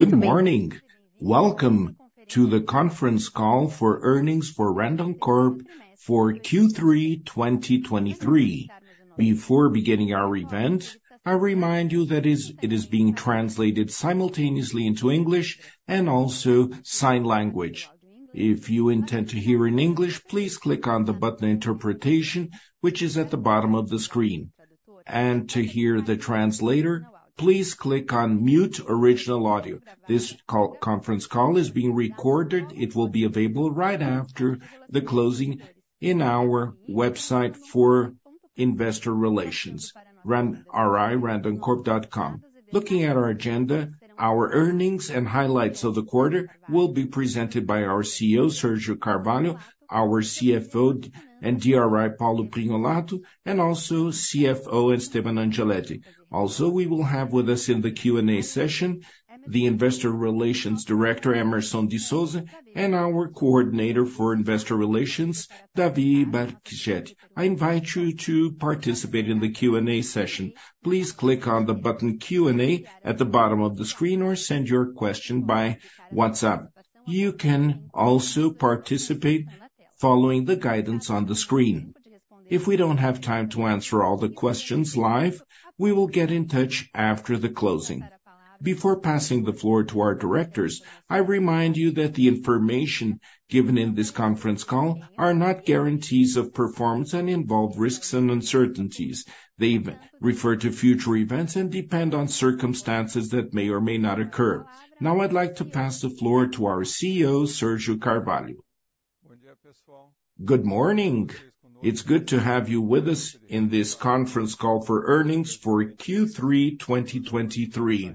Good morning. Welcome to the conference call for earnings for Randoncorp for Q3 2023. Before beginning our event, I remind you it is being translated simultaneously into English and also sign language. If you intend to hear in English, please click on the button Interpretation, which is at the bottom of the screen. And to hear the translator, please click on Mute Original Audio. This call, conference call is being recorded. It will be available right after the closing in our website for investor relations, ri.randoncorp.com. Looking at our agenda, our earnings and highlights of the quarter will be presented by our CEO, Sérgio Carvalho, our CFO and DRI, Paulo Prignolato, and also CFO, Esteban Angeletti. Also, we will have with us in the Q&A session, the Investor Relations Director, Emerson de Souza, and our Coordinator for Investor Relations, Davi Bacichette. I invite you to participate in the Q&A session. Please click on the button Q&A at the bottom of the screen or send your question by WhatsApp. You can also participate following the guidance on the screen. If we don't have time to answer all the questions live, we will get in touch after the closing. Before passing the floor to our directors, I remind you that the information given in this conference call are not guarantees of performance and involve risks and uncertainties. They refer to future events and depend on circumstances that may or may not occur. Now, I'd like to pass the floor to our CEO, Sérgio Carvalho. Good morning. It's good to have you with us in this conference call for earnings for Q3 2023.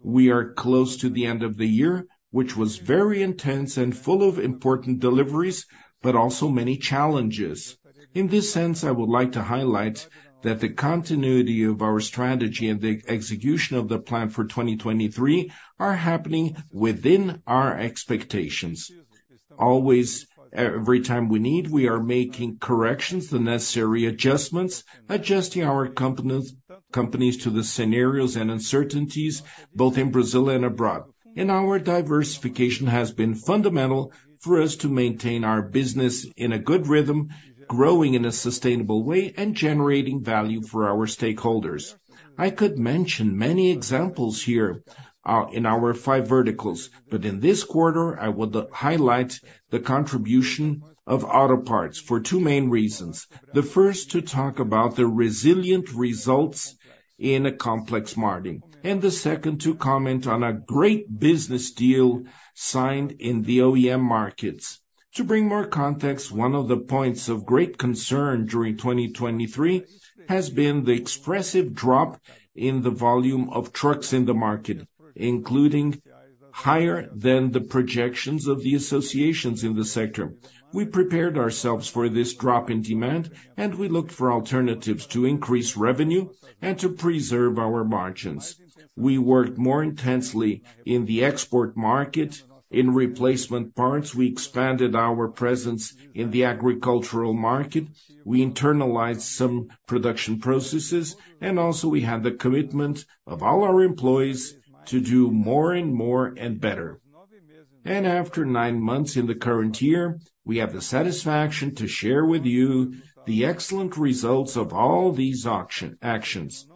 We are close to the end of the year, which was very intense and full of important deliveries, but also many challenges. In this sense, I would like to highlight that the continuity of our strategy and the execution of the plan for 2023 are happening within our expectations. Always, every time we need, we are making corrections, the necessary adjustments, adjusting our companies, companies to the scenarios and uncertainties, both in Brazil and abroad. And our diversification has been fundamental for us to maintain our business in a good rhythm, growing in a sustainable way and generating value for our stakeholders. I could mention many examples here, in our five verticals, but in this quarter, I would highlight the contribution of auto parts for two main reasons. The first, to talk about the resilient results in a complex market, and the second, to comment on a great business deal signed in the OEM markets. To bring more context, one of the points of great concern during 2023 has been the expressive drop in the volume of trucks in the market, including higher than the projections of the associations in the sector. We prepared ourselves for this drop in demand, and we looked for alternatives to increase revenue and to preserve our margins. We worked more intensely in the export market. In replacement parts, we expanded our presence in the agricultural market. We internalized some production processes, and also we had the commitment of all our employees to do more and more and better. After nine months in the current year, we have the satisfaction to share with you the excellent results of all these actions.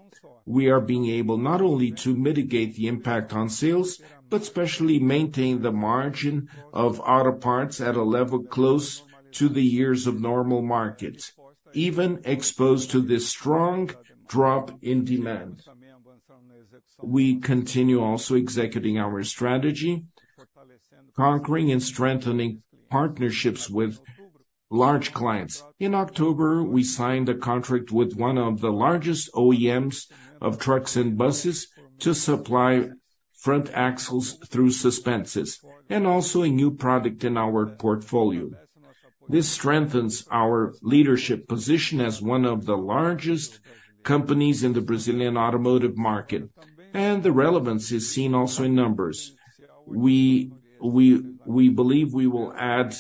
We are being able not only to mitigate the impact on sales, but especially maintain the margin of auto parts at a level close to the years of normal markets, even exposed to this strong drop in demand. We continue also executing our strategy, conquering and strengthening partnerships with large clients. In October, we signed a contract with one of the largest OEMs of trucks and buses to supply front axles through Suspensys, and also a new product in our portfolio. This strengthens our leadership position as one of the largest companies in the Brazilian automotive market, and the relevance is seen also in numbers. We believe we will add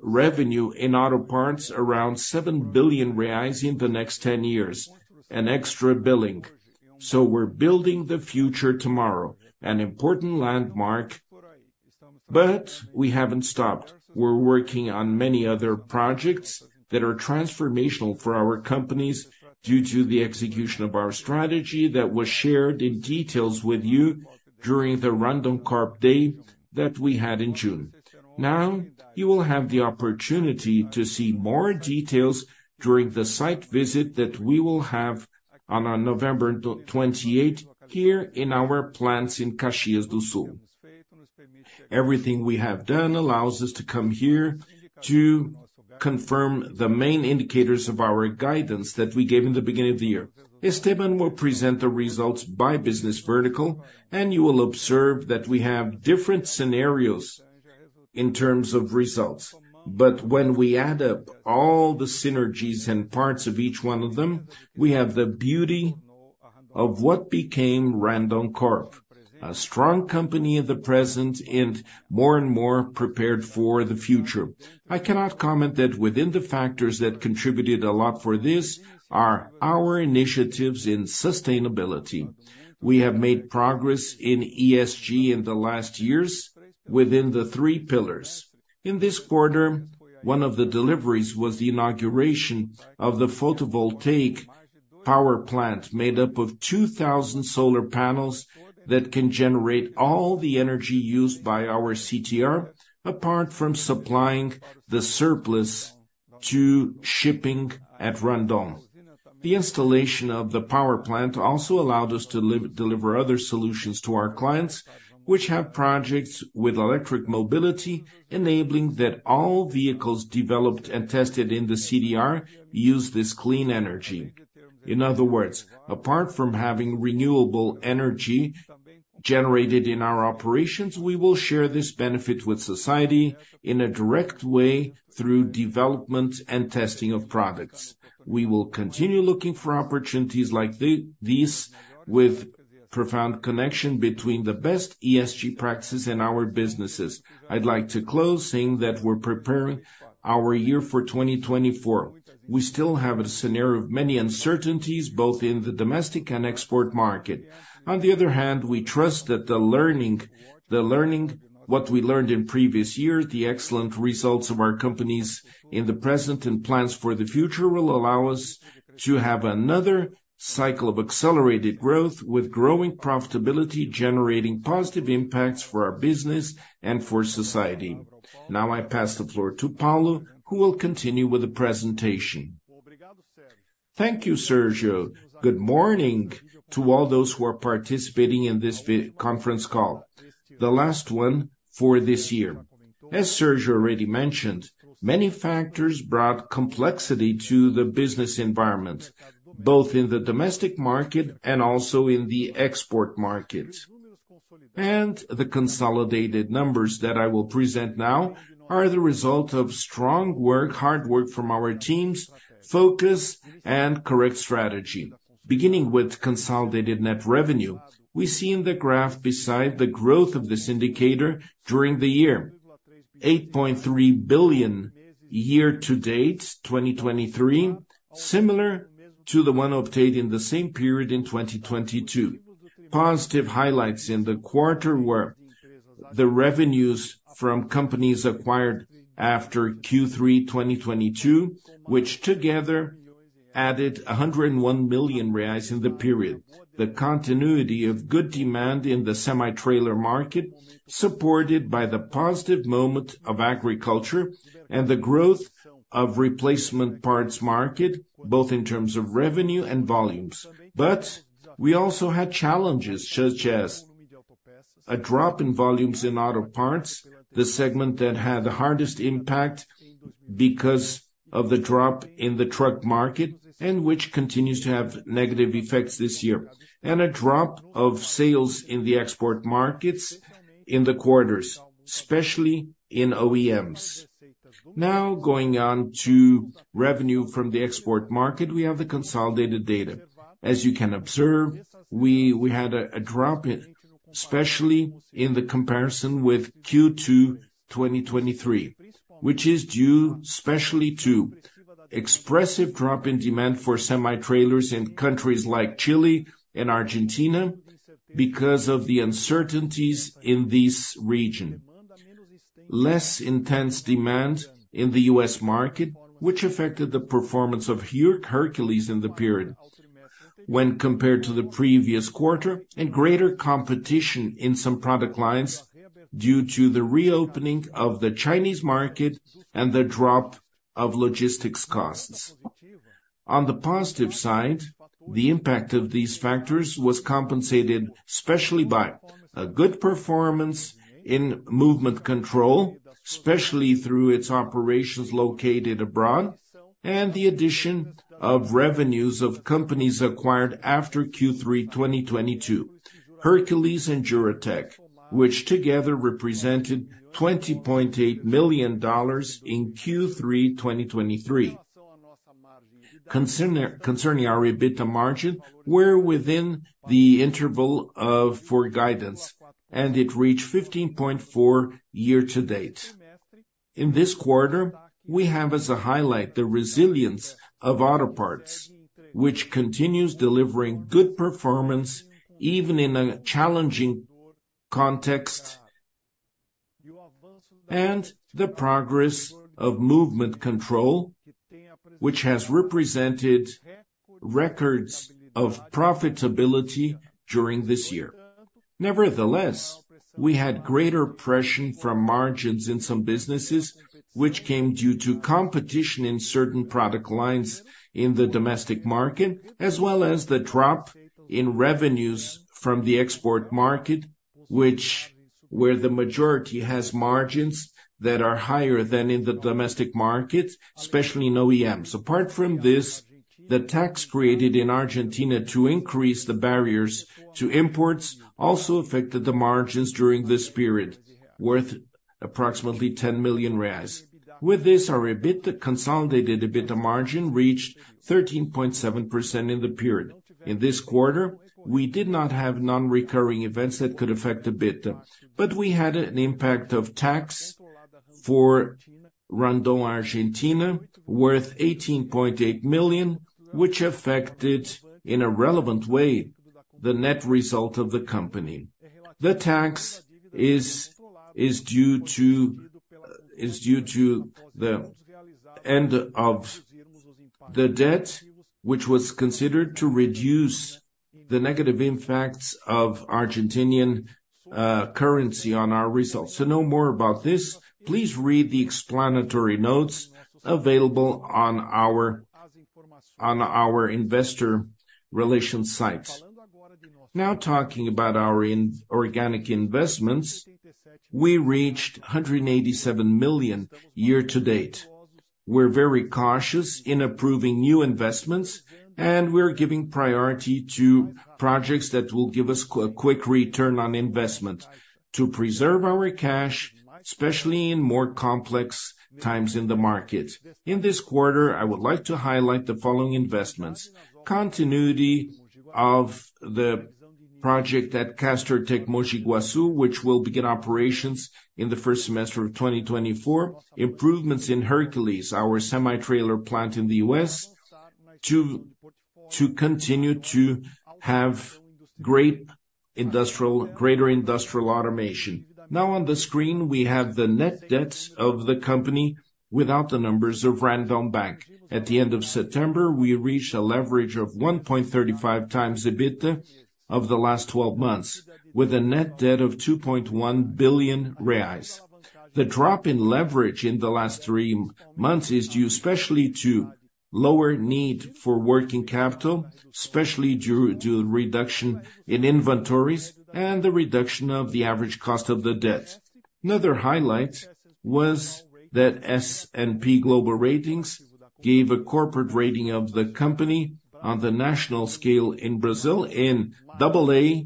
revenue in auto parts around 7 billion reais in the next 10 years, an extra billing. So we're building the future tomorrow, an important landmark, but we haven't stopped. We're working on many other projects that are transformational for our companies due to the execution of our strategy that was shared in details with you during the Randoncorp Day that we had in June. Now, you will have the opportunity to see more details during the site visit that we will have on November 28, here in our plants in Caxias do Sul. Everything we have done allows us to come here to confirm the main indicators of our guidance that we gave in the beginning of the year. Esteban will present the results by business vertical, and you will observe that we have different scenarios in terms of results. But when we add up all the synergies and parts of each one of them, we have the beauty of what became Randoncorp, a strong company in the present and more and more prepared for the future. I cannot comment that within the factors that contributed a lot for this are our initiatives in sustainability. We have made progress in ESG in the last years within the three pillars. In this quarter. One of the deliveries was the inauguration of the Photovoltaic power plant, made up of 2,000 solar panels that can generate all the energy used by our CTR, apart from supplying the surplus to shipping at Randon. The installation of the power plant also allowed us to deliver other solutions to our clients, which have projects with electric mobility, enabling that all vehicles developed and tested in the CTR use this clean energy. In other words, apart from having renewable energy generated in our operations, we will share this benefit with society in a direct way through development and testing of products. We will continue looking for opportunities like these, with profound connection between the best ESG practices and our businesses. I'd like to close, saying that we're preparing our year for 2024. We still have a scenario of many uncertainties, both in the domestic and export market. On the other hand, we trust that the learning—what we learned in previous years, the excellent results of our companies in the present, and plans for the future, will allow us to have another cycle of accelerated growth with growing profitability, generating positive impacts for our business and for society. Now, I pass the floor to Paulo, who will continue with the presentation. Thank you, Sergio. Good morning to all those who are participating in this virtual conference call, the last one for this year. As Sergio already mentioned, many factors brought complexity to the business environment, both in the domestic market and also in the export market. The consolidated numbers that I will present now are the result of strong work, hard work from our teams, focus and correct strategy. Beginning with consolidated net revenue, we see in the graph beside the growth of this indicator during the year, 8.3 billion year-to-date, 2023, similar to the one obtained in the same period in 2022. Positive highlights in the quarter were the revenues from companies acquired after Q3 2022, which together added 101 million reais in the period. The continuity of good demand in the semi-trailer market, supported by the positive moment of agriculture and the growth of replacement parts market, both in terms of revenue and volumes. But we also had challenges, such as a drop in volumes in auto parts, the segment that had the hardest impact because of the drop in the truck market, and which continues to have negative effects this year. And a drop of sales in the export markets in the quarters, especially in OEMs. Now, going on to revenue from the export market, we have the consolidated data. As you can observe, we had a drop in, especially in the comparison with Q2 2023, which is due especially to expressive drop in demand for semi-trailers in countries like Chile and Argentina because of the uncertainties in this region. Less intense demand in the U.S. market, which affected the performance of Hercules in the period when compared to the previous quarter, and greater competition in some product lines due to the reopening of the Chinese market and the drop of logistics costs. On the positive side, the impact of these factors was compensated, especially by a good performance in movement control, especially through its operations located abroad, and the addition of revenues of companies acquired after Q3 2022, Hercules and Juratek, which together represented $20.8 million in Q3 2023. Concerning our EBITDA margin, we're within the interval of for guidance, and it reached 15.4% year to date. In this quarter, we have as a highlight the resilience of auto parts, which continues delivering good performance, even in a challenging context, and the progress of movement control, which has represented records of profitability during this year. Nevertheless, we had greater pressure from margins in some businesses, which came due to competition in certain product lines in the domestic market, as well as the drop in revenues from the export market, which, where the majority has margins that are higher than in the domestic market, especially in OEMs. Apart from this, the tax created in Argentina to increase the barriers to imports also affected the margins during this period, worth approximately 10 million reais. With this, our EBITDA, consolidated EBITDA margin reached 13.7% in the period. In this quarter, we did not have non-recurring events that could affect EBITDA, but we had an impact of tax for Randon Argentina worth 18.8 million, which affected in a relevant way the net result of the company. The tax is due to the end of the debt, which was considered to reduce the negative impacts of Argentine currency on our results. To know more about this, please read the explanatory notes available on our investor relations site. Now, talking about our inorganic investments, we reached 187 million year-to-date. We're very cautious in approving new investments, and we're giving priority to projects that will give us a quick return on investment to preserve our cash, especially in more complex times in the market. In this quarter, I would like to highlight the following investments: continuity of the project at Castertech, Mogi Guaçu, which will begin operations in the first semester of 2024. Improvements in Hercules, our semi-trailer plant in the U.S., to continue to have greater industrial automation. Now on the screen, we have the net debt of the company without the numbers of Banco Randon. At the end of September, we reached a leverage of 1.35x EBITDA of the last twelve months, with a net debt of 2.1 billion reais. The drop in leverage in the last three months is due especially to lower need for working capital, especially due to reduction in inventories and the reduction of the average cost of the debt. Another highlight was that S&P Global Ratings gave a corporate rating of the company on the national scale in Brazil of AA+,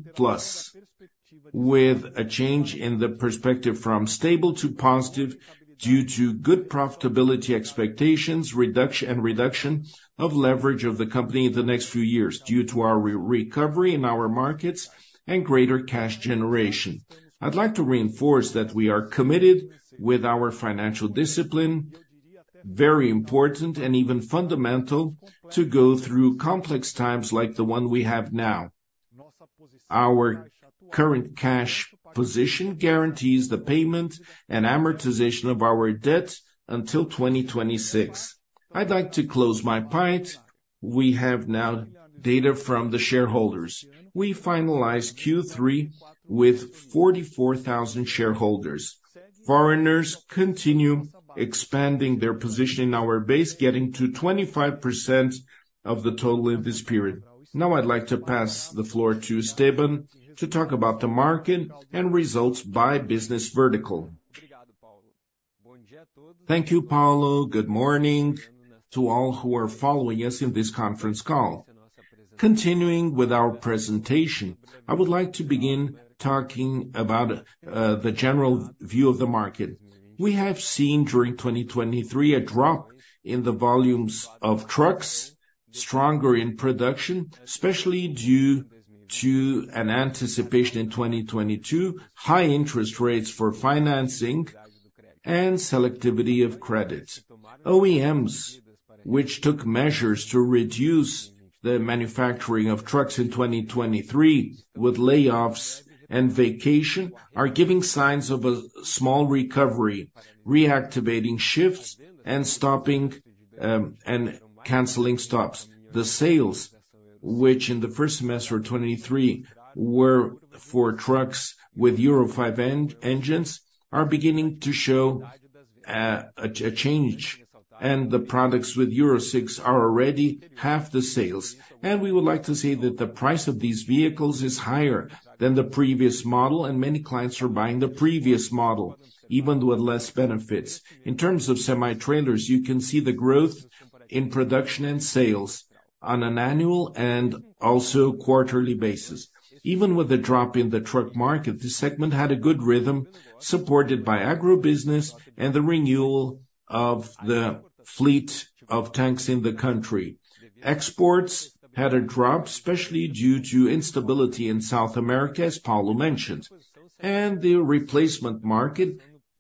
with a change in the perspective from stable to positive, due to good profitability expectations, reduction of leverage of the company in the next few years, due to our recovery in our markets and greater cash generation. I'd like to reinforce that we are committed with our financial discipline, very important and even fundamental, to go through complex times like the one we have now. Our current cash position guarantees the payment and amortization of our debt until 2026. I'd like to close my point. We have now data from the shareholders. We finalized Q3 with 44,000 shareholders. Foreigners continue expanding their position in our base, getting to 25% of the total in this period. Now, I'd like to pass the floor to Esteban to talk about the market and results by business vertical. Thank you, Paulo. Good morning to all who are following us in this conference call. Continuing with our presentation, I would like to begin talking about the general view of the market. We have seen during 2023, a drop in the volumes of trucks, stronger in production, especially due to an anticipation in 2022, high interest rates for financing and selectivity of credits. OEMs, which took measures to reduce the manufacturing of trucks in 2023, with layoffs and vacation, are giving signs of a small recovery, reactivating shifts and stopping, and canceling stops. The sales, which in the first semester of 2023 were for trucks with Euro 5 engines, are beginning to show a change, and the products with Euro 6 are already half the sales. We would like to say that the price of these vehicles is higher than the previous model, and many clients are buying the previous model, even with less benefits. In terms of semi-trailers, you can see the growth in production and sales on an annual and also quarterly basis. Even with the drop in the truck market, this segment had a good rhythm, supported by agribusiness and the renewal of the fleet of tanks in the country. Exports had a drop, especially due to instability in South America, as Paulo mentioned, and the replacement market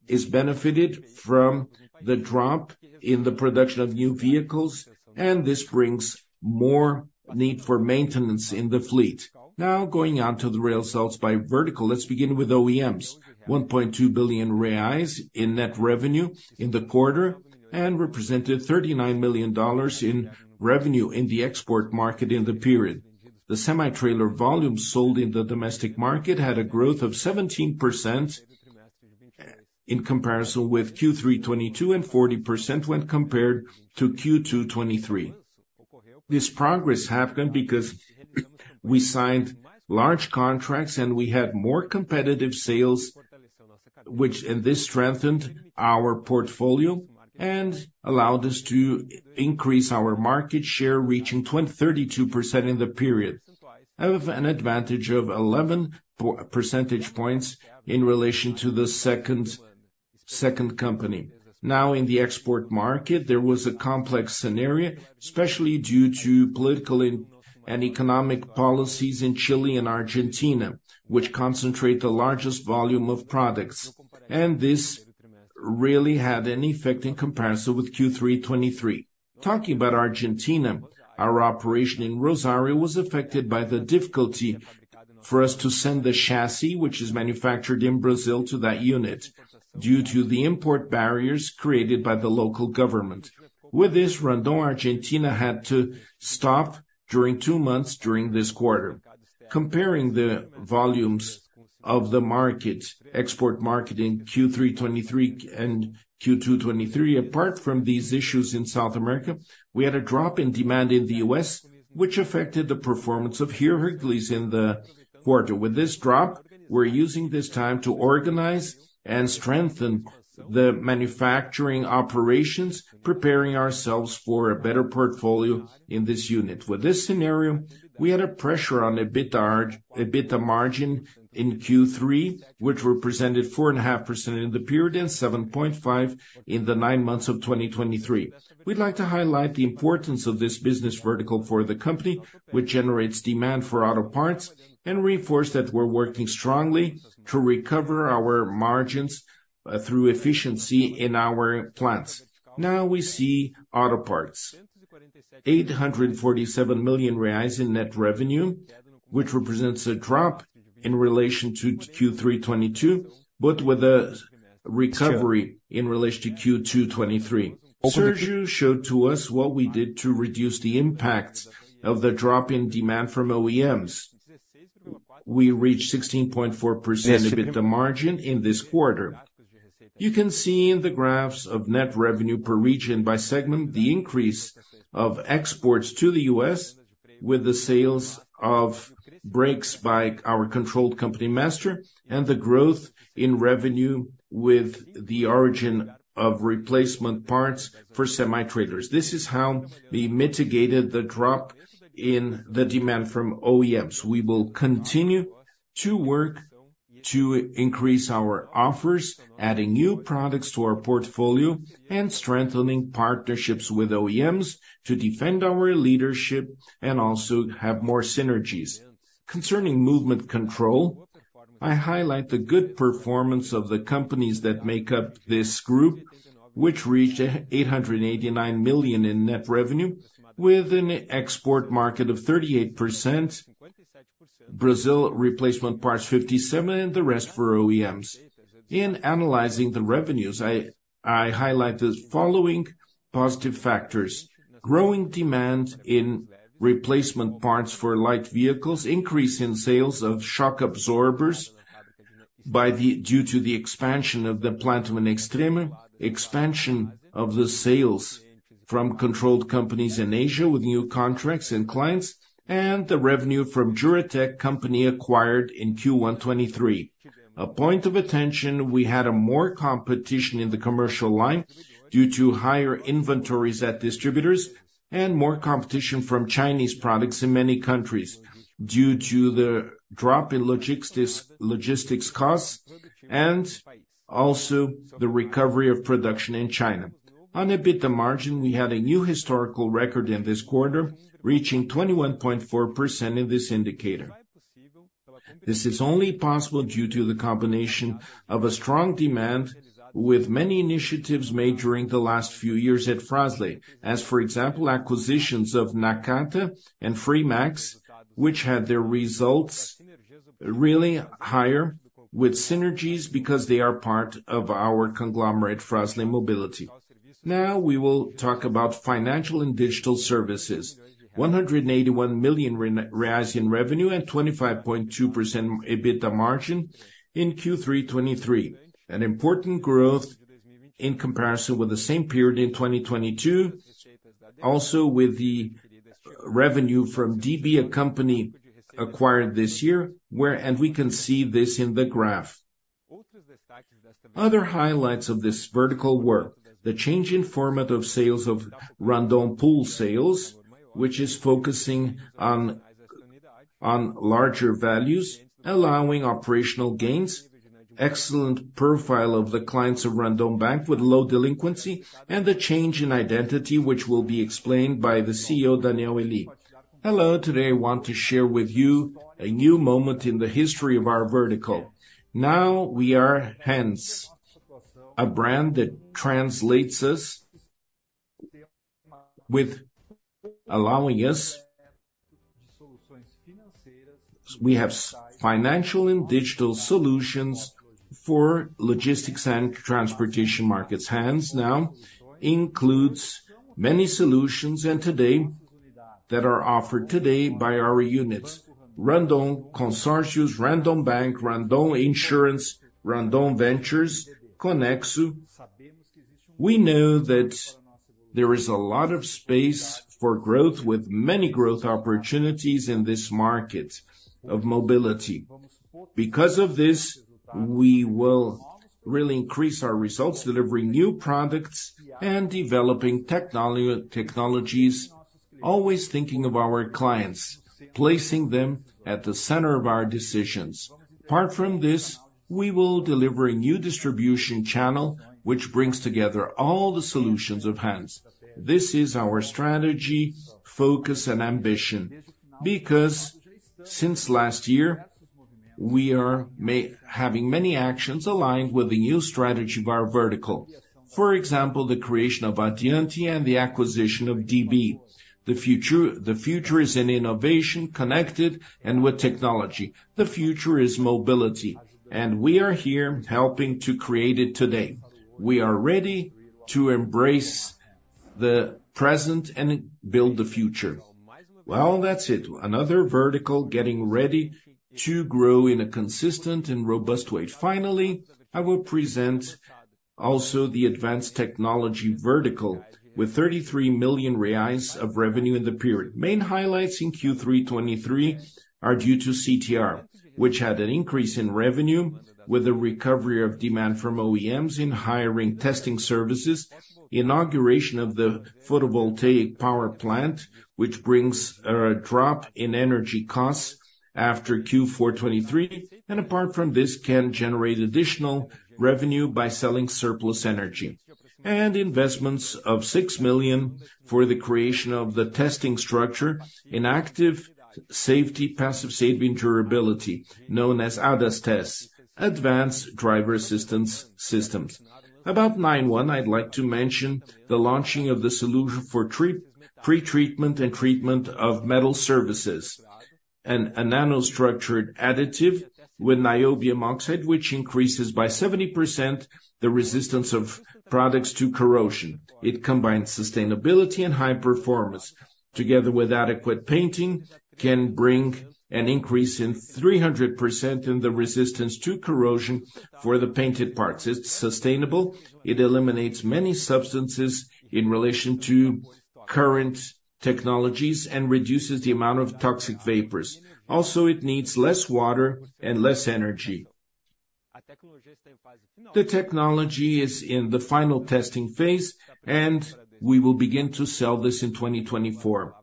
is benefited from the drop in the production of new vehicles, and this brings more need for maintenance in the fleet. Now, going on to the real results by vertical. Let's begin with OEMs. 1.2 billion reais in net revenue in the quarter and represented $39 million in revenue in the export market in the period. The semi-trailer volume sold in the domestic market had a growth of 17% in comparison with Q3 2022 and 40% when compared to Q2 2023. This progress happened because we signed large contracts and we had more competitive sales, which and this strengthened our portfolio and allowed us to increase our market share, reaching 32% in the period, of an advantage of 11 percentage points in relation to the second company. Now, in the export market, there was a complex scenario, especially due to political and economic policies in Chile and Argentina, which concentrate the largest volume of products. This really had an effect in comparison with Q3 2023. Talking about Argentina, our operation in Rosario was affected by the difficulty for us to send the chassis, which is manufactured in Brazil, to that unit, due to the import barriers created by the local government. With this, Randon Argentina had to stop during two months during this quarter. Comparing the volumes of the market, export market in Q3 2023 and Q2 2023, apart from these issues in South America, we had a drop in demand in the U.S., which affected the performance of Hercules in the quarter. With this drop, we're using this time to organize and strengthen the manufacturing operations, preparing ourselves for a better portfolio in this unit. With this scenario, we had a pressure on EBITDA, EBITDA margin in Q3, which represented 4.5% in the period, and 7.5% in the nine months of 2023. We'd like to highlight the importance of this business vertical for the company, which generates demand for auto parts, and reinforce that we're working strongly to recover our margins through efficiency in our plants. Now, we see auto parts. 847 million reais in net revenue, which represents a drop in relation to Q3 2022, but with a recovery in relation to Q2 2023. Sérgio showed to us what we did to reduce the impacts of the drop in demand from OEMs. We reached 16.4% EBITDA margin in this quarter. You can see in the graphs of net revenue per region by segment, the increase of exports to the U.S. with the sales of brakes by our controlled company, Master, and the growth in revenue with the origin of replacement parts for semi-trailers. This is how we mitigated the drop in the demand from OEMs. We will continue to work to increase our offers, adding new products to our portfolio and strengthening partnerships with OEMs to defend our leadership and also have more synergies. Concerning movement control, I highlight the good performance of the companies that make up this group, which reached 889 million in net revenue with an export market of 38%. Brazil replacement parts, 57%, and the rest for OEMs. In analyzing the revenues, I, I highlight the following positive factors: growing demand in replacement parts for light vehicles, increase in sales of shock absorbers due to the expansion of the plant in Extrema, expansion of the sales from controlled companies in Asia with new contracts and clients, and the revenue from Juratek company acquired in Q1 2023. A point of attention, we had more competition in the commercial line due to higher inventories at distributors and more competition from Chinese products in many countries, due to the drop in logistics costs, and also the recovery of production in China. On EBITDA margin, we had a new historical record in this quarter, reaching 21.4% in this indicator. This is only possible due to the combination of a strong demand with many initiatives made during the last few years at Fras-le. As for example, acquisitions of Nakata and Fremax, which had their results really higher with synergies because they are part of our conglomerate, Fras-le Mobility. Now, we will talk about financial and digital services. 181 million in revenue and 25.2% EBITDA margin in Q3 2023. An important growth in comparison with the same period in 2022, also with the revenue from DB, a company acquired this year, and we can see this in the graph. Other highlights of this vertical were the change in format of sales of Randon Pool Sales, which is focusing on larger values, allowing operational gains, excellent profile of the clients of Randon Bank with low delinquency, and the change in identity, which will be explained by the CEO, Daniel Ely. Hello. Today, I want to share with you a new moment in the history of our vertical. Now, we are hence, a brand that translates us with allowing us. We have financial and digital solutions for logistics and transportation markets. Hence now, includes many solutions, and today, that are offered today by our units: Randon Consórcios, Randon Bank, Randon Insurance, Randon Ventures, Conexo. We know that there is a lot of space for growth, with many growth opportunities in this market of mobility. Because of this, we will really increase our results, delivering new products and developing technologies, always thinking of our clients, placing them at the center of our decisions. Apart from this, we will deliver a new distribution channel, which brings together all the solutions of Hanz. This is our strategy, focus, and ambition, because since last year we are Hanz, having many actions aligned with the new strategy of our vertical. For example, the creation of Addiante and the acquisition of DB. The future, the future is in innovation, connected, and with technology. The future is mobility, and we are here helping to create it today. We are ready to embrace the present and build the future. Well, that's it. Another vertical, getting ready to grow in a consistent and robust way. Finally, I will present also the advanced technology vertical, with 33 million reais of revenue in the period. Main highlights in Q3 2023 are due to CTR, which had an increase in revenue with a recovery of demand from OEMs in hiring testing services, inauguration of the Photovoltaic power plant, which brings a drop in energy costs after Q4 2023, and apart from this, can generate additional revenue by selling surplus energy. And investments of 6 million for the creation of the testing structure in active safety, passive safety and durability, known as ADAS tests, Advanced Driver Assistance Systems. About NIONE, I'd like to mention the launching of the solution for pretreatment and treatment of metal surfaces, and a nanostructured additive with niobium oxide, which increases by 70% the resistance of products to corrosion. It combines sustainability and high performance. Together with adequate painting, can bring an increase in 300% in the resistance to corrosion for the painted parts. It's sustainable, it eliminates many substances in relation to current technologies, and reduces the amount of toxic vapors. Also, it needs less water and less energy. The technology is in the final testing phase, and we will begin to sell this in 2024.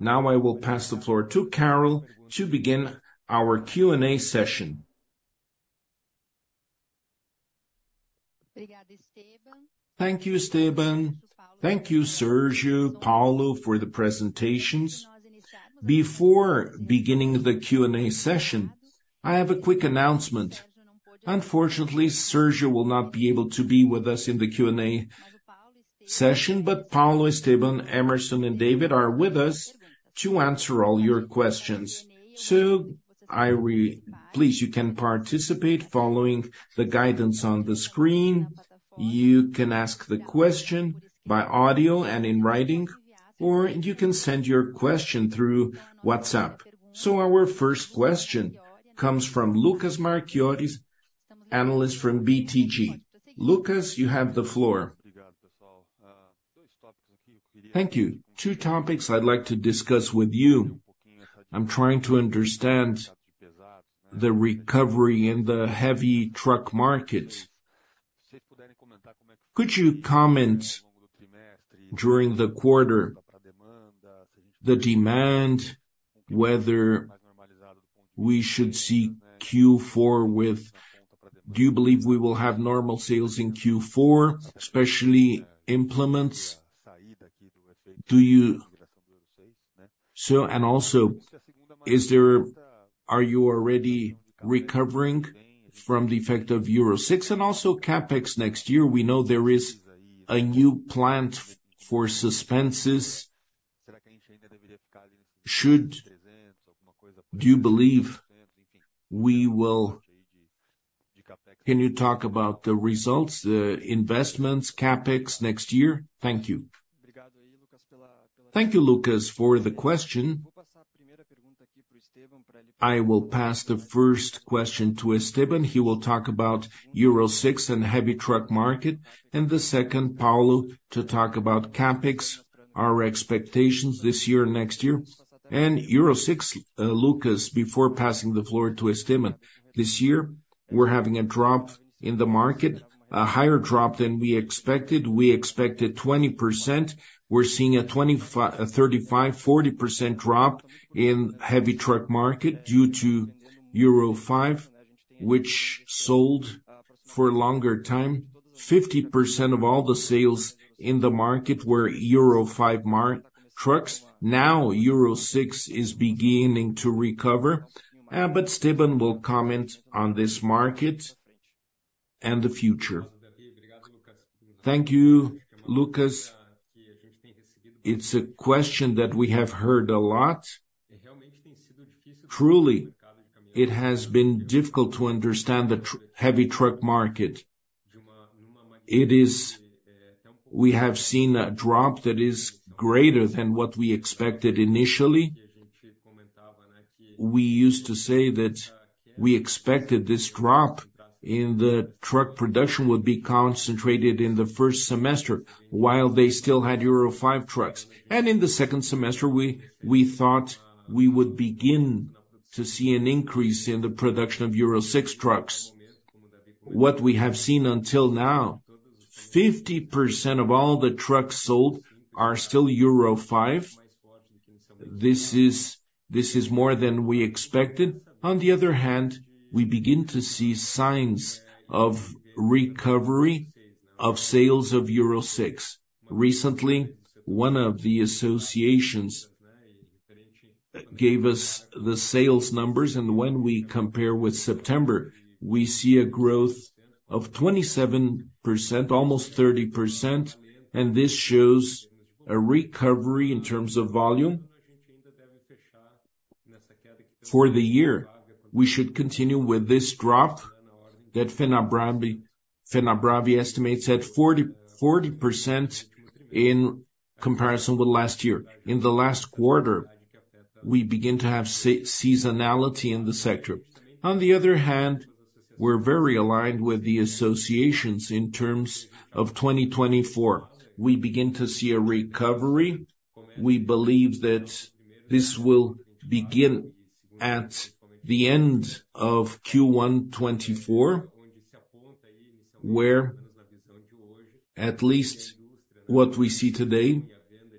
Now, I will pass the floor to Carol to begin our Q&A session. Thank you, Esteban. Thank you, Sergio, Paulo, for the presentations. Before beginning the Q&A session, I have a quick announcement. Unfortunately, Sergio will not be able to be with us in the Q&A session, but Paulo, Esteban, Emerson, and Davi are with us to answer all your questions. So please, you can participate following the guidance on the screen. You can ask the question by audio and in writing, or you can send your question through WhatsApp. So our first question comes from Lucas Marchiori, analyst from BTG. Lucas, you have the floor. Thank you. Two topics I'd like to discuss with you. I'm trying to understand the recovery in the heavy truck markets. Could you comment, during the quarter, the demand, whether we should see Q4 with...? Do you believe we will have normal sales in Q4, especially implements? And also, are you already recovering from the effect of Euro 6 and also CapEx next year? We know there is a new plant for suspensions. Can you talk about the results, the investments, CapEx next year? Thank you. Thank you, Lucas, for the question. I will pass the first question to Esteban. He will talk about Euro 6 and heavy truck market, and the second, Paulo, to talk about CapEx, our expectations this year, next year. Euro 6, Lucas, before passing the floor to Esteban. This year, we're having a drop in the market, a higher drop than we expected. We expected 20%. We're seeing a 35-40% drop in heavy truck market due to euro 5, which sold for a longer time. 50% of all the sales in the market were Euro 5 trucks. Now, Euro 6 is beginning to recover, but Esteban will comment on this market and the future. Thank you, Lucas. It's a question that we have heard a lot. Truly, it has been difficult to understand the heavy truck market. It is... We have seen a drop that is greater than what we expected initially. We used to say that we expected this drop in the truck production would be concentrated in the first semester, while they still had Euro 5 trucks. In the second semester, we, we thought we would begin to see an increase in the production of Euro 6 trucks. What we have seen until now, 50% of all the trucks sold are still Euro 5. This is, this is more than we expected. On the other hand, we begin to see signs of recovery of sales of Euro 6. Recently, one of the associations that gave us the sales numbers, and when we compare with September, we see a growth of 27%, almost 30%, and this shows a recovery in terms of volume. For the year, we should continue with this drop that Fenabrave, Fenabrave estimates at 40, 40% in comparison with last year. In the last quarter, we begin to have seasonality in the sector. On the other hand, we're very aligned with the associations in terms of 2024. We begin to see a recovery. We believe that this will begin at the end of Q1 2024, where at least what we see today,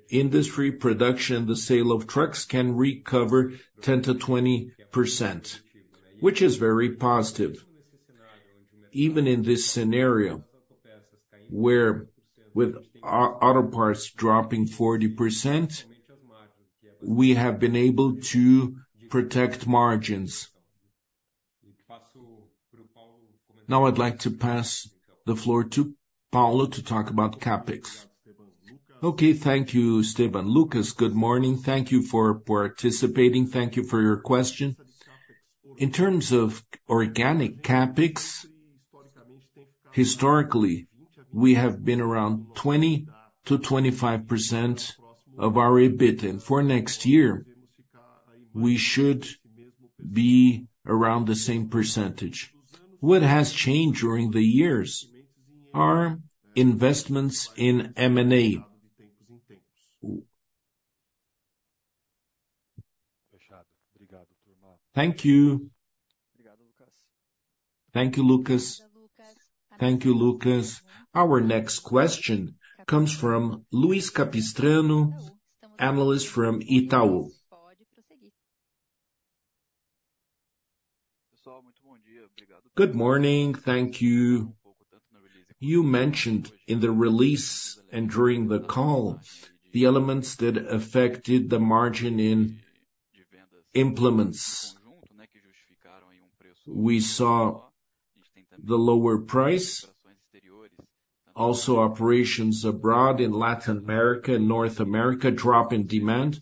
industry production, the sale of trucks can recover 10%-20%, which is very positive. Even in this scenario, where with our auto parts dropping 40%, we have been able to protect margins. Now, I'd like to pass the floor to Paulo to talk about CapEx. Okay, thank you, Esteban. Lucas, good morning. Thank you for participating. Thank you for your question. In terms of organic CapEx, historically, we have been around 20%-25% of our EBIT. For next year, we should be around the same percentage. What has changed during the years are investments in M&A. Thank you. Thank you, Lucas. Thank you, Lucas. Our next question comes from Luiz Capistrano, analyst from Itaú. Good morning. Thank you. You mentioned in the release and during the call, the elements that affected the margin in implements. We saw the lower price, also operations abroad in Latin America and North America, drop in demand.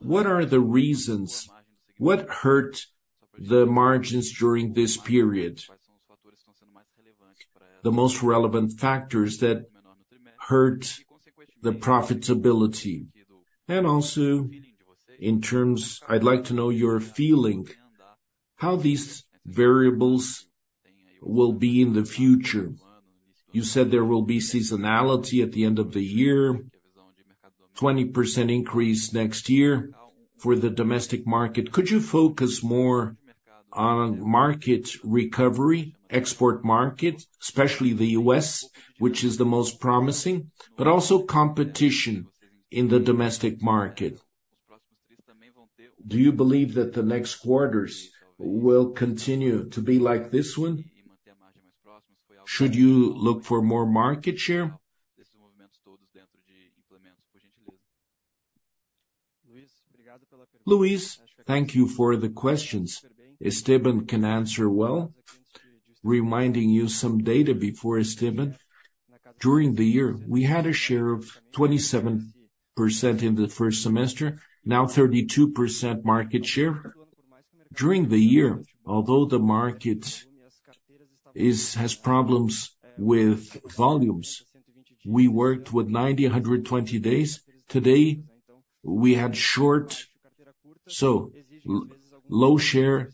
What are the reasons? What hurt the margins during this period? The most relevant factors that hurt the profitability, and also in terms... I'd like to know your feeling, how these variables will be in the future. You said there will be seasonality at the end of the year, 20% increase next year for the domestic market. Could you focus more on market recovery, export market, especially the U.S., which is the most promising, but also competition in the domestic market? Do you believe that the next quarters will continue to be like this one? Should you look for more market share? Luiz, thank you for the questions. Esteban can answer well, reminding you some data before Esteban. During the year, we had a share of 27% in the first semester, now 32% market share. During the year, although the market has problems with volumes, we worked with 90, 120 days. Today, we had short, so low share.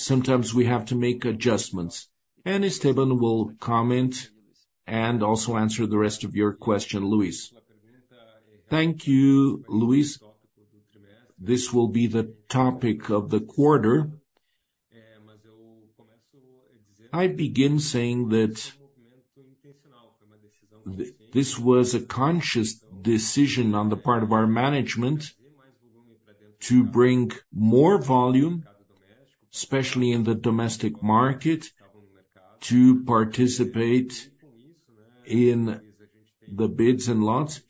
Sometimes we have to make adjustments, and Esteban will comment and also answer the rest of your question, Luiz. Thank you, Luiz. This will be the topic of the quarter. I begin saying that this was a conscious decision on the part of our management to bring more volume, especially in the domestic market, to participate in the bids and lots,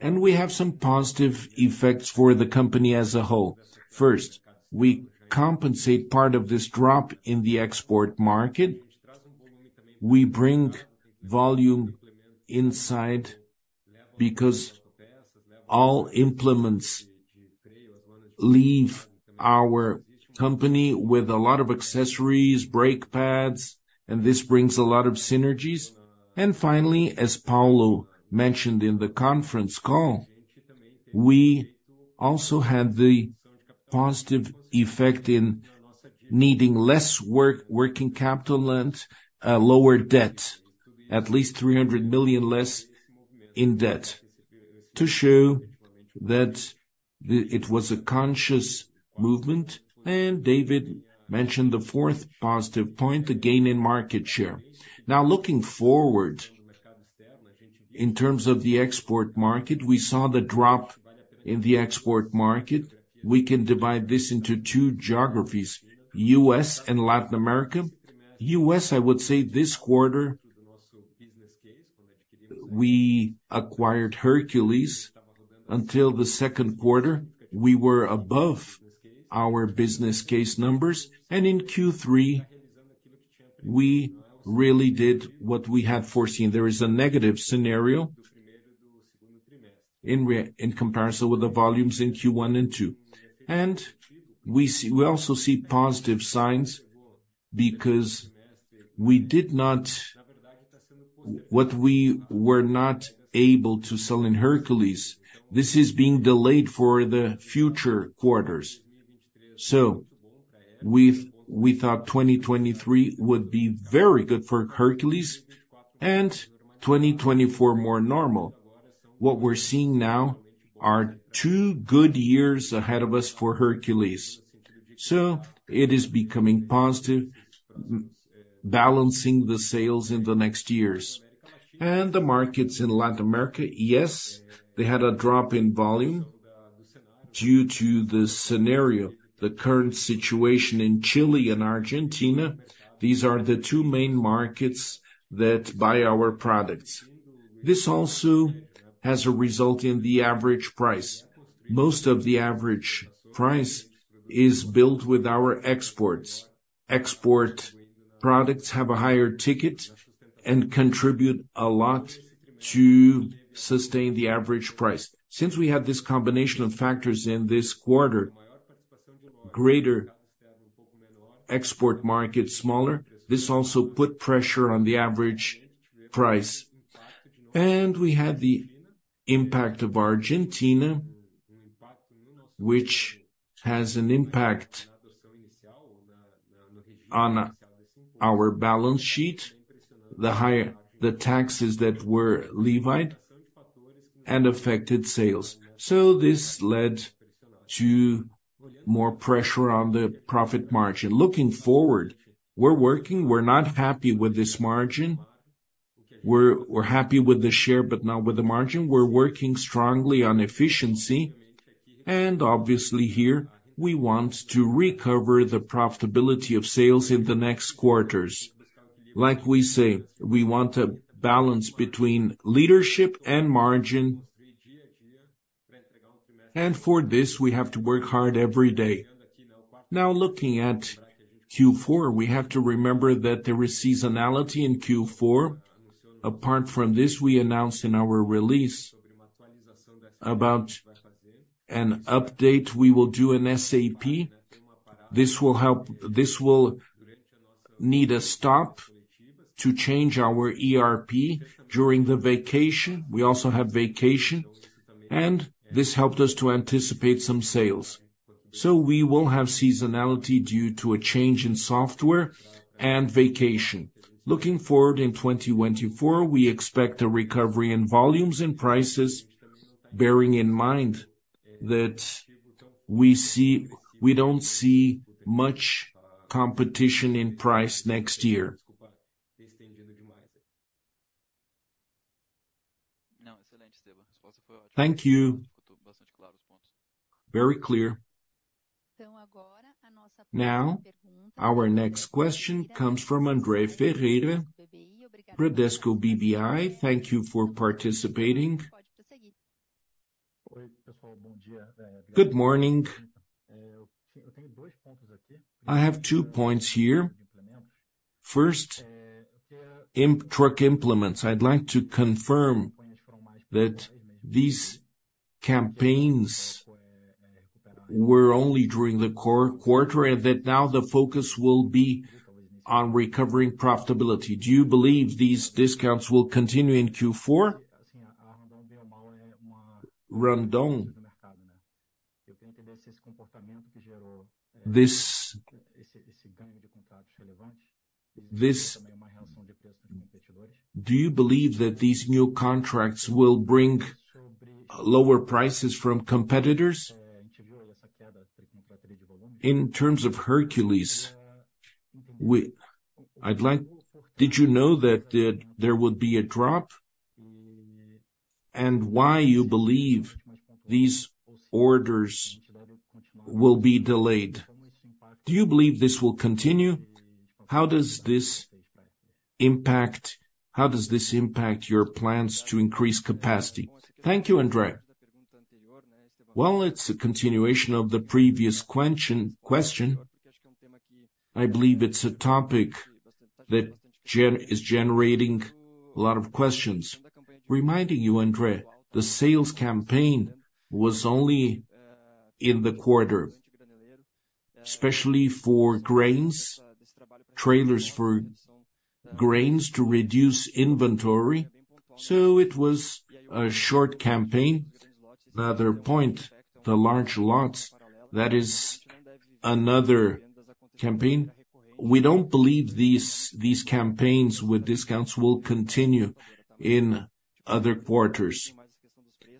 and we have some positive effects for the company as a whole. First, we compensate part of this drop in the export market. We bring volume inside, because all implements leave our company with a lot of accessories, brake pads, and this brings a lot of synergies. And finally, as Paulo mentioned in the conference call, we also have the positive effect in needing less working capital and lower debt, at least 300 million less in debt, to show that it was a conscious movement. And Davi mentioned the fourth positive point, the gain in market share. Now, looking forward, in terms of the export market, we saw the drop in the export market. We can divide this into two geographies, U.S. and Latin America. U.S., I would say this quarter, we acquired Hercules. Until the second quarter, we were above our business case numbers, and in Q3, we really did what we had foreseen. There is a negative scenario in comparison with the volumes in Q1 and Q2. And we also see positive signs because what we were not able to sell in Hercules, this is being delayed for the future quarters. So we thought 2023 would be very good for Hercules, and 2024 more normal. What we're seeing now are two good years ahead of us for Hercules. So it is becoming positive, balancing the sales in the next years. The markets in Latin America, yes, they had a drop in volume due to the scenario, the current situation in Chile and Argentina, these are the two main markets that buy our products. This also has a result in the average price. Most of the average price is built with our exports. Export products have a higher ticket and contribute a lot to sustain the average price. Since we have this combination of factors in this quarter, greater export market, smaller, this also put pressure on the average price. And we had the impact of Argentina, which has an impact on, our balance sheet, the higher the taxes that were levied and affected sales. So this led to more pressure on the profit margin. Looking forward, we're working, we're not happy with this margin. We're, we're happy with the share, but not with the margin. We're working strongly on efficiency, and obviously, here, we want to recover the profitability of sales in the next quarters. Like we say, we want a balance between leadership and margin, and for this, we have to work hard every day. Now, looking at Q4, we have to remember that there is seasonality in Q4. Apart from this, we announced in our release about an update we will do in SAP. This will help-- this will need a stop to change our ERP during the vacation. We also have vacation, and this helped us to anticipate some sales. So we will have seasonality due to a change in software and vacation. Looking forward in 2024, we expect a recovery in volumes and prices, bearing in mind that we see-- we don't see much competition in price next year. Thank you. Very clear. Now, our next question comes from Andre Ferreira, Bradesco BBI. Thank you for participating. Good morning. I have two points here. First, truck implements. I'd like to confirm that these campaigns were only during the core quarter, and that now the focus will be on recovering profitability. Do you believe these discounts will continue in Q4? Randon, this... Do you believe that these new contracts will bring lower prices from competitors? In terms of Hercules, I'd like—did you know that the, there would be a drop? And why you believe these orders will be delayed? Do you believe this will continue? How does this impact, how does this impact your plans to increase capacity? Thank you, Andre. Well, it's a continuation of the previous question. I believe it's a topic that is generating a lot of questions. Reminding you, Andre, the sales campaign was only in the quarter, especially for grains, trailers for grains to reduce inventory, so it was a short campaign. The other point, the large lots, that is another campaign. We don't believe these, these campaigns with discounts will continue in other quarters.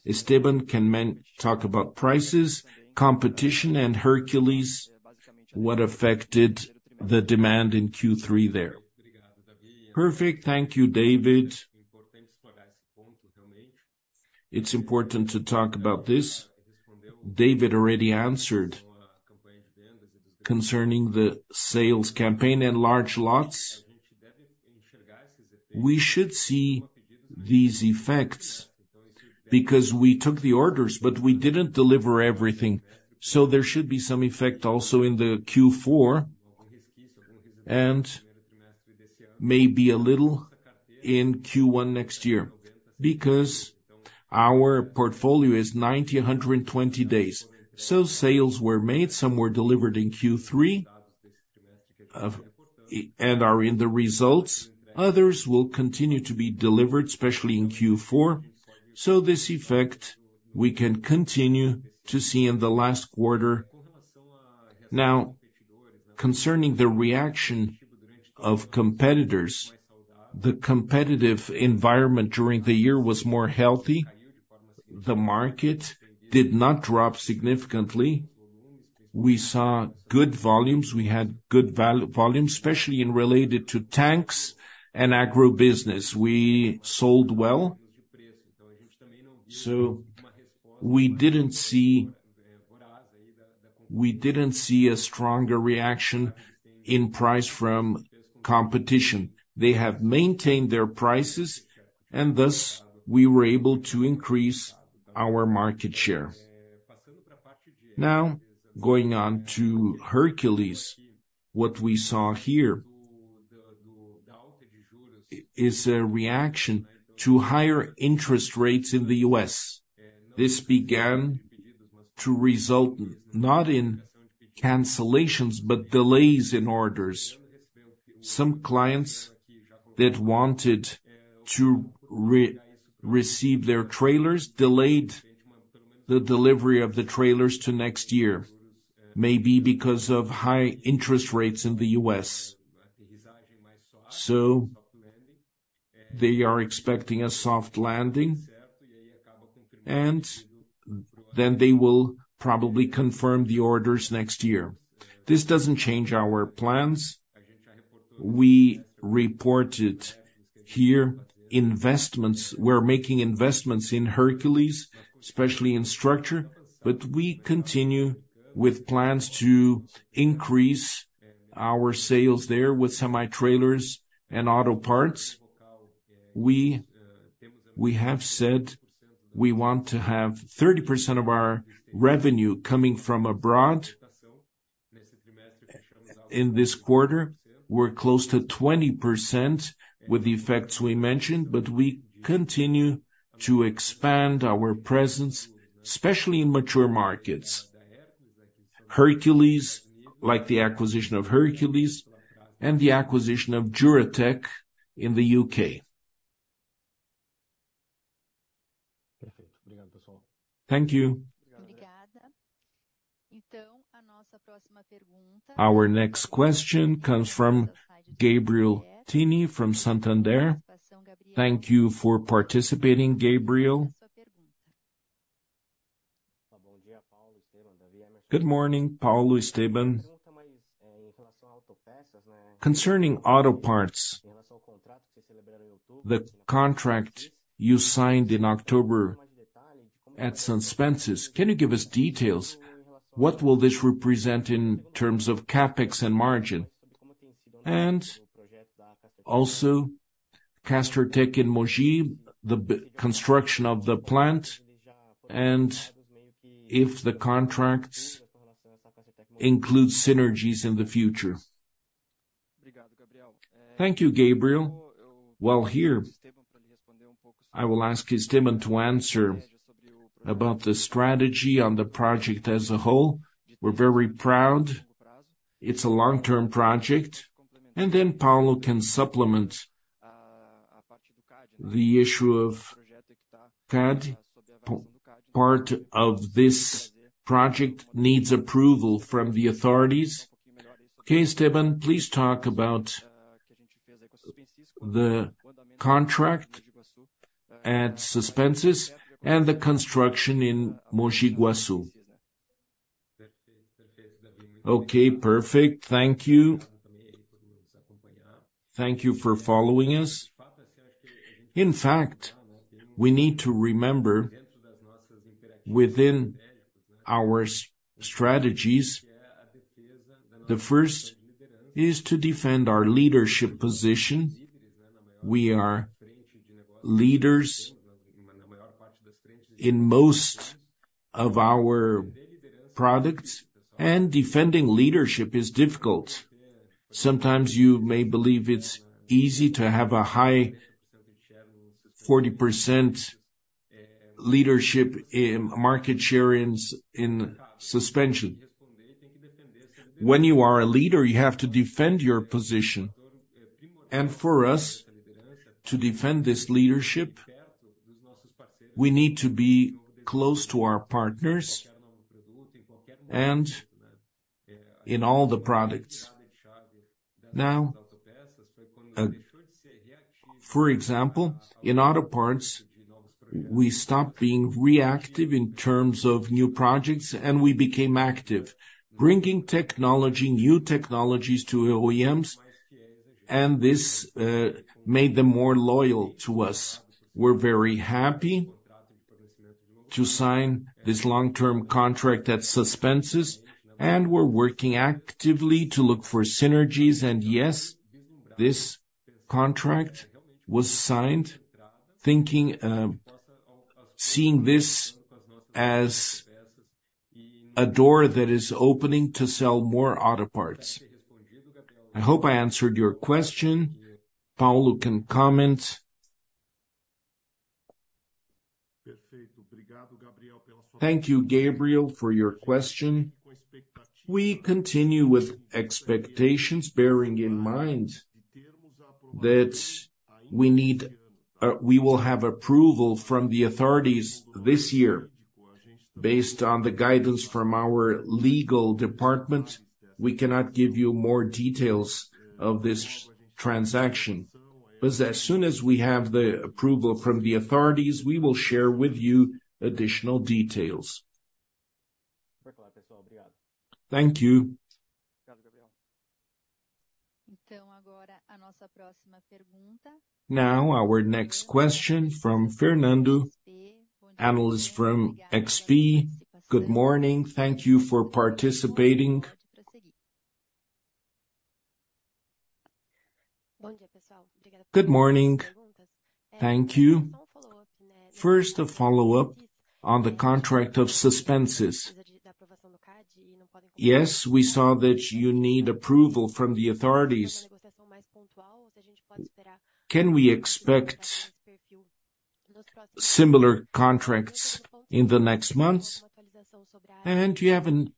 Esteban, can talk about prices, competition, and Hercules, what affected the demand in Q3 there? Perfect. Thank you, Davi. It's important to talk about this. Davi already answered concerning the sales campaign and large lots. We should see these effects because we took the orders, but we didn't deliver everything, so there should be some effect also in the Q4, and maybe a little in Q1 next year, because our portfolio is 90-120 days. So sales were made, some were delivered in Q3, and are in the results. Others will continue to be delivered, especially in Q4. So this effect, we can continue to see in the last quarter. Now, concerning the reaction of competitors, the competitive environment during the year was more healthy. The market did not drop significantly. We saw good volumes. We had good volumes, especially in relation to tanks and agro business. We sold well, so we didn't see, we didn't see a stronger reaction in price from competition. They have maintained their prices, and thus, we were able to increase our market share. Now, going on to Hercules, what we saw here is a reaction to higher interest rates in the U.S. This began to result not in cancellations, but delays in orders. Some clients that wanted to receive their trailers delayed the delivery of the trailers to next year, maybe because of high interest rates in the U.S. So they are expecting a soft landing, and then they will probably confirm the orders next year. This doesn't change our plans. We reported here, investments. We're making investments in Hercules, especially in structure, but we continue with plans to increase our sales there with semi-trailers and auto parts. We, we have said we want to have 30% of our revenue coming from abroad. In this quarter, we're close to 20% with the effects we mentioned, but we continue to expand our presence, especially in mature markets. Hercules, like the acquisition of Hercules and the acquisition of Juratek in the UK. Thank you. Our next question comes from Gabriel Tinem, from Santander. Thank you for participating, Gabriel. Good morning, Paulo, Esteban. Concerning auto parts, the contract you signed in October at Suspensys, can you give us details? What will this represent in terms of CapEx and margin? And also, Castertech in Mogi, the construction of the plant, and if the contracts include synergies in the future? Thank you, Gabriel. Well, here, I will ask Esteban to answer about the strategy on the project as a whole. We're very proud. It's a long-term project, and then Paulo can supplement the issue of CapEx. Part of this project needs approval from the authorities. Okay, Esteban, please talk about the contract at Suspensys and the construction in Mogi Guaçu. Okay, perfect. Thank you. Thank you for following us. In fact, we need to remember within our strategies, the first is to defend our leadership position. We are leaders in most of our products, and defending leadership is difficult. Sometimes you may believe it's easy to have a high 40% leadership in market share in, in suspension. When you are a leader, you have to defend your position, and for us to defend this leadership, we need to be close to our partners and in all the products. Now, for example, in auto parts, we stopped being reactive in terms of new projects, and we became active, bringing technology, new technologies to OEMs, and this made them more loyal to us. We're very happy to sign this long-term contract at Suspensys, and we're working actively to look for synergies. And yes, this contract was signed, thinking, seeing this as a door that is opening to sell more auto parts. I hope I answered your question. Paulo can comment. Thank you, Gabriel, for your question. We continue with expectations, bearing in mind that we need, we will have approval from the authorities this year. Based on the guidance from our legal department, we cannot give you more details of this transaction, but as soon as we have the approval from the authorities, we will share with you additional details. Thank you. Now, our next question from Fernando, analyst from XP. Good morning, thank you for participating. Good morning. Thank you. First, a follow-up on the contract of Suspensys. Yes, we saw that you need approval from the authorities. Can we expect similar contracts in the next months? And do you have an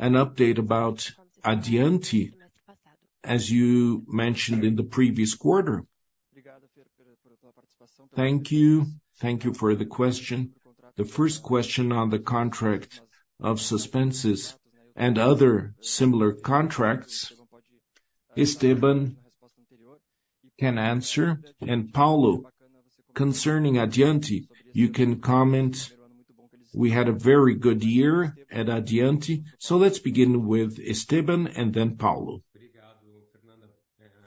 update about Addiante, as you mentioned in the previous quarter? Thank you. Thank you for the question. The first question on the contract of Suspensys and other similar contracts, Esteban can answer. And Paulo, concerning Addiante, you can comment. We had a very good year at Addiante. So let's begin with Esteban and then Paulo.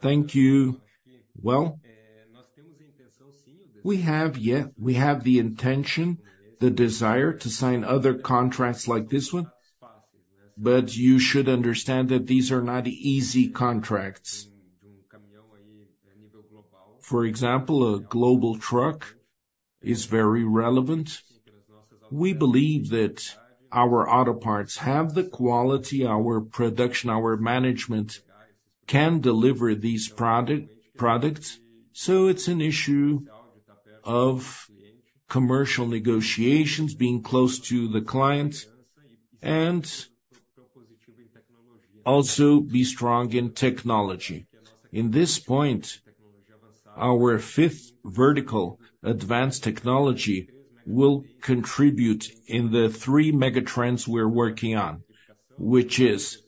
Thank you. Well, we have, yeah, we have the intention, the desire, to sign other contracts like this one, but you should understand that these are not easy contracts. For example, a global truck is very relevant. We believe that our auto parts have the quality, our production, our management can deliver these products, so it's an issue of commercial negotiations being close to the client and also be strong in technology. In this point, our fifth vertical advanced technology will contribute in the three mega trends we're working on, which is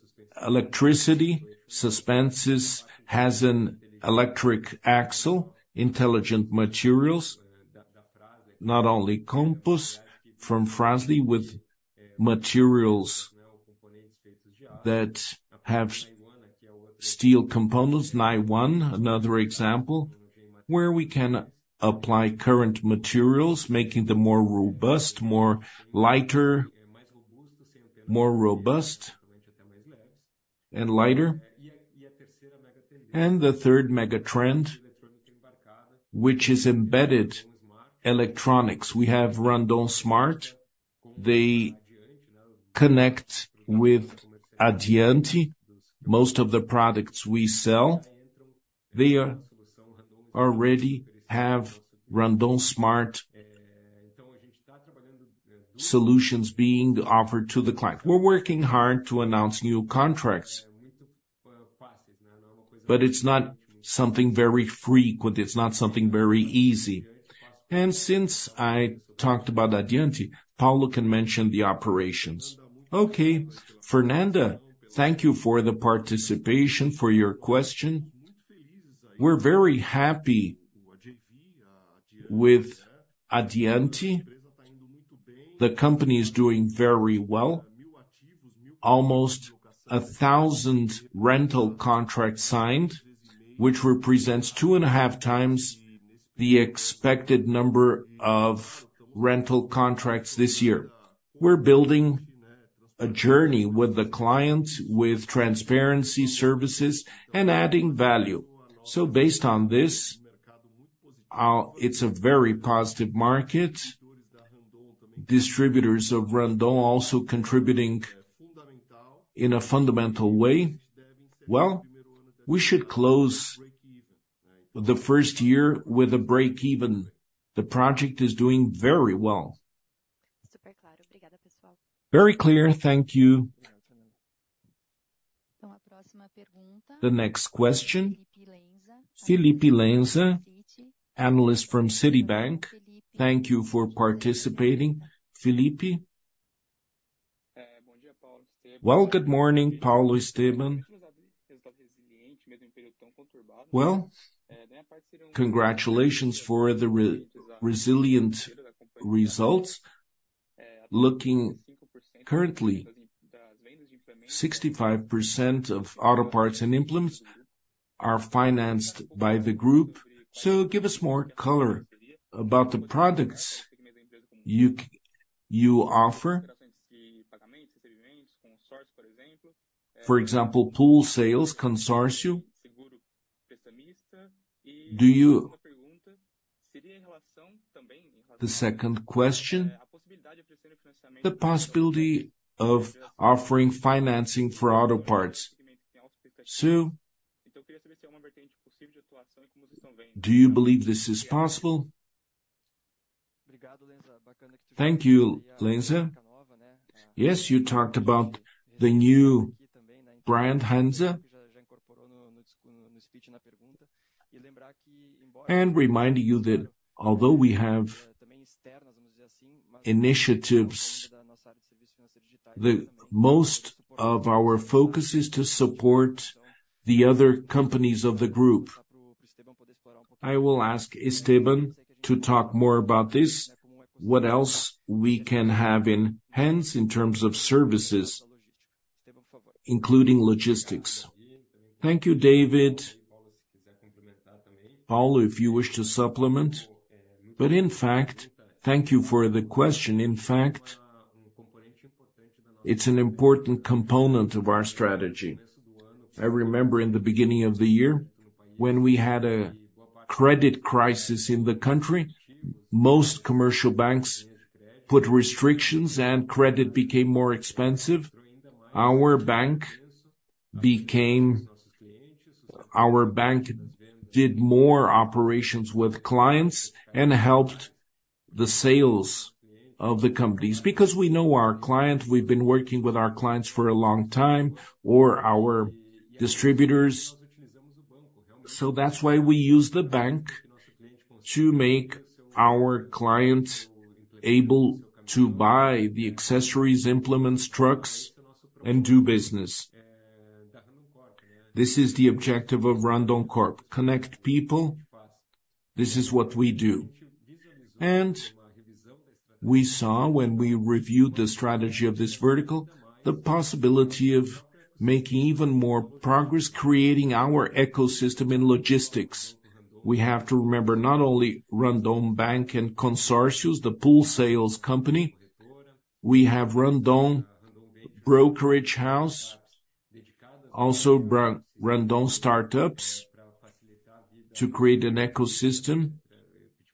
electricity. Suspensys has an electric axle, intelligent materials, not only Composs from Fras-le, with materials that have steel components. NIONE, another example, where we can apply current materials, making them more robust, more lighter, more robust and lighter. And the third mega trend, which is embedded electronics. We have Randon Smart. They connect with Addiante. Most of the products we sell, they already have Randon Smart solutions being offered to the client. We're working hard to announce new contracts, but it's not something very frequent. It's not something very easy. And since I talked about Addiante, Paulo can mention the operations. Okay, Fernando, thank you for the participation, for your question. We're very happy with Addiante. The company is doing very well. Almost 1,000 rental contracts signed, which represents 2.5 times the expected number of rental contracts this year. We're building a journey with the client, with transparency services and adding value. So based on this, it's a very positive market. Distributors of Randon are also contributing in a fundamental way. Well, we should close the first year with a break even. The project is doing very well. Very clear. Thank you. The next question, Felipe Lenza, analyst from Citibank. Thank you for participating, Felipe. Well, good morning, Paulo, Esteban. Well, congratulations for the resilient results. Looking currently, 65% of auto parts and implements are financed by the group. So give us more color about the products you offer. For example, pool sales, consortium. Do you? The second question, the possibility of offering financing for auto parts. So, do you believe this is possible? Thank you, Lenza. Yes, you talked about the new brand, Hanz. And reminding you that although we have initiatives, the most of our focus is to support the other companies of the group. I will ask Esteban to talk more about this, what else we can have in hands in terms of services, including logistics. Thank you, Davi. Paulo, if you wish to supplement. But in fact, thank you for the question.In fact, it's an important component of our strategy. I remember in the beginning of the year, when we had a credit crisis in the country, most commercial banks put restrictions and credit became more expensive. Our bank did more operations with clients and helped the sales of the companies, because we know our clients, we've been working with our clients for a long time, or our distributors. So that's why we use the bank to make our clients able to buy the accessories, implements, trucks, and do business. This is the objective of Randoncorp: connect people. This is what we do. We saw when we reviewed the strategy of this vertical, the possibility of making even more progress, creating our ecosystem in logistics. We have to remember not only Banco Randon and Randon Consórcios, the pool sales company, we have Randon Brokerage House, also Randon Startups, to create an ecosystem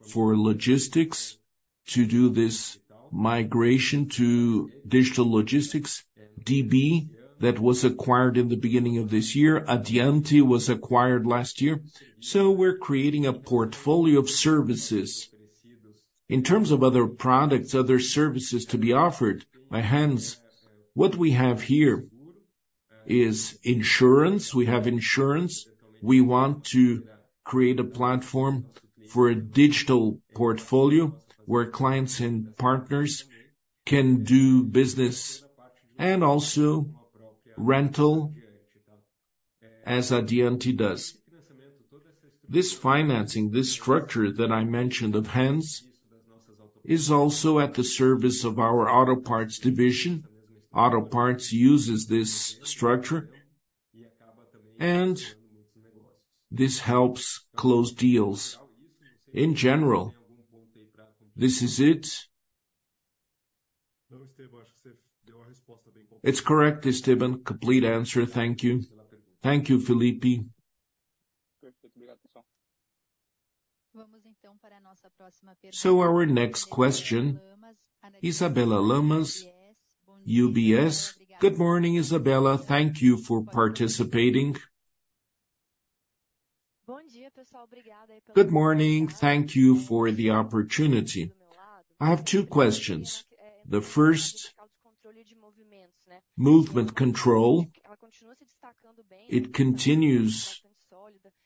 for logistics to do this migration to digital logistics. DB, that was acquired in the beginning of this year, Addiante was acquired last year. So we're creating a portfolio of services. In terms of other products, other services to be offered, by Hanz, what we have here is insurance. We have insurance. We want to create a platform for a digital portfolio where clients and partners can do business and also rental, as Addiante does. This financing, this structure that I mentioned of Hanz, is also at the service of our auto parts division. Auto Parts uses this structure, and this helps close deals. In general, this is it. It's correct, Esteban. Complete answer. Thank you. Thank you, Felipe. So our next question, Isabella Lamas, UBS. Good morning, Isabella. Thank you for participating. Good morning. Thank you for the opportunity. I have two questions. The first, movement control. It continues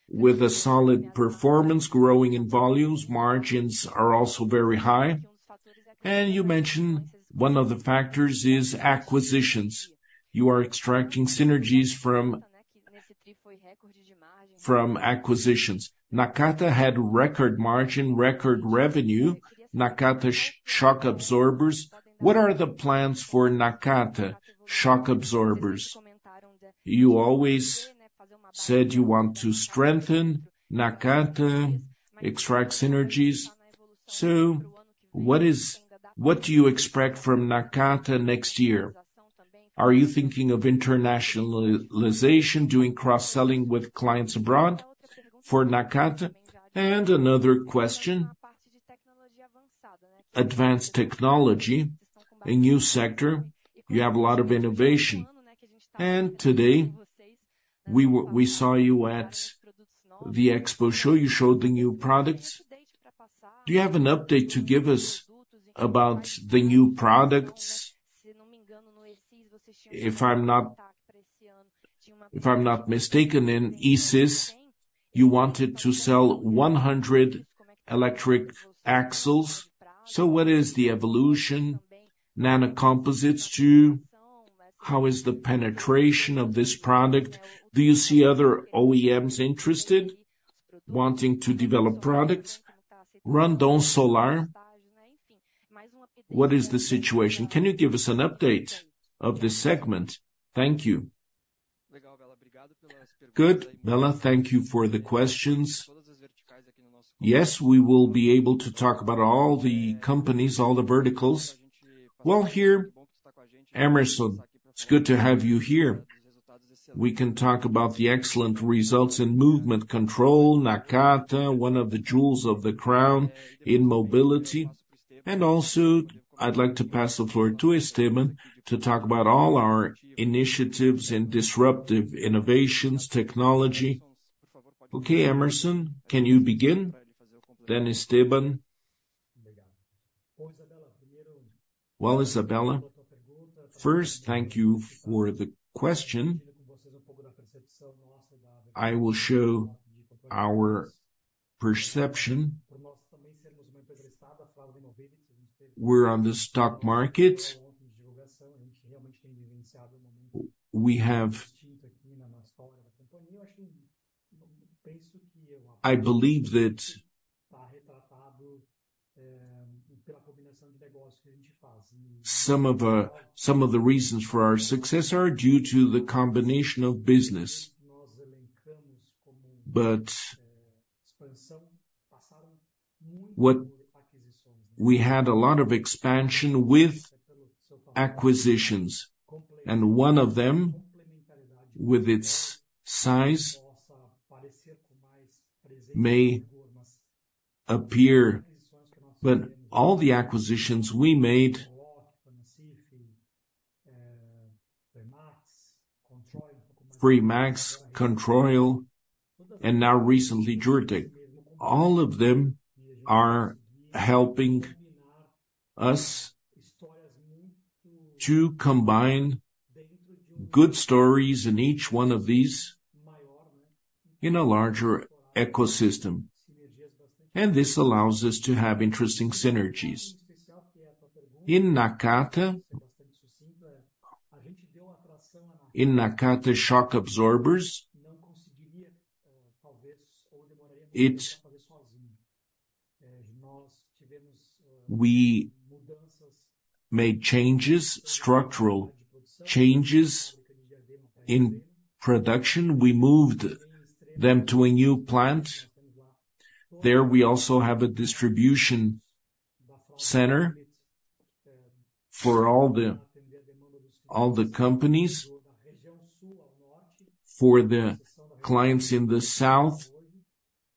with a solid performance, growing in volumes, margins are also very high. And you mentioned one of the factors is acquisitions. You are extracting synergies from acquisitions. Nakata had record margin, record revenue, Nakata shock absorbers. What are the plans for Nakata shock absorbers? You always said you want to strengthen Nakata, extract synergies. So what do you expect from Nakata next year? Are you thinking of internationalization, doing cross-selling with clients abroad for Nakata? And another question, advanced technology, a new sector, you have a lot of innovation. And today, we saw you at the Expo show, you showed the new products. Do you have an update to give us about the new products? If I'm not mistaken, in e-Sys, you wanted to sell 100 electric axles. So what is the evolution of NIONE composites too?... How is the penetration of this product? Do you see other OEMs interested, wanting to develop products? Randon Solar, what is the situation? Can you give us an update of this segment? Thank you. Good, Bella, thank you for the questions. Yes, we will be able to talk about all the companies, all the verticals. Well, here, Emerson, it's good to have you here. We can talk about the excellent results in movement control, Nakata, one of the jewels of the crown in mobility. And also, I'd like to pass the floor to Esteban to talk about all our initiatives and disruptive innovations, technology. Okay, Emerson, can you begin, then Esteban? Well, Isabella, first, thank you for the question. I will show our perception. We're on the stock market. We have -- I believe that some of, some of the reasons for our success are due to the combination of business. But what -- we had a lot of expansion with acquisitions, and one of them, with its size, may appear, but all the acquisitions we made, Fremax, Controil, and now recently, Juratek. All of them are helping us to combine good stories in each one of these in a larger ecosystem, and this allows us to have interesting synergies. In Nakata, in Nakata shock absorbers, it -- we made changes, structural changes in production. We moved them to a new plant. There, we also have a distribution center for all the, all the companies, for the clients in the south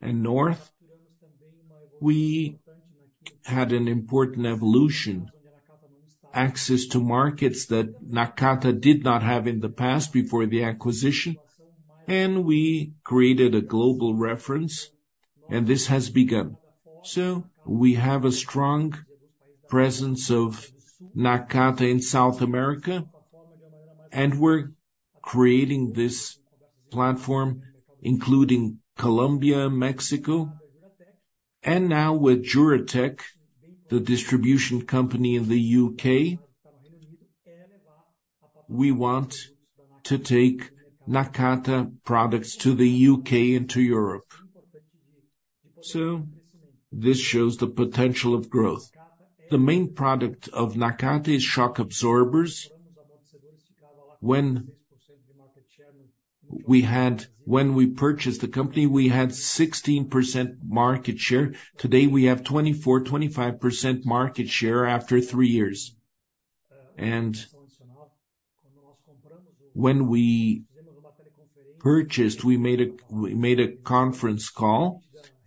and north. We had an important evolution, access to markets that Nakata did not have in the past before the acquisition, and we created a global reference, and this has begun. So we have a strong presence of Nakata in South America, and we're creating this platform, including Colombia, Mexico, and now with Juratek, the distribution company in the U.K. We want to take Nakata products to the U.K. into Europe. So this shows the potential of growth. The main product of Nakata is shock absorbers. When we purchased the company, we had 16% market share. Today, we have 24%-25% market share after three years. And when we purchased, we made a conference call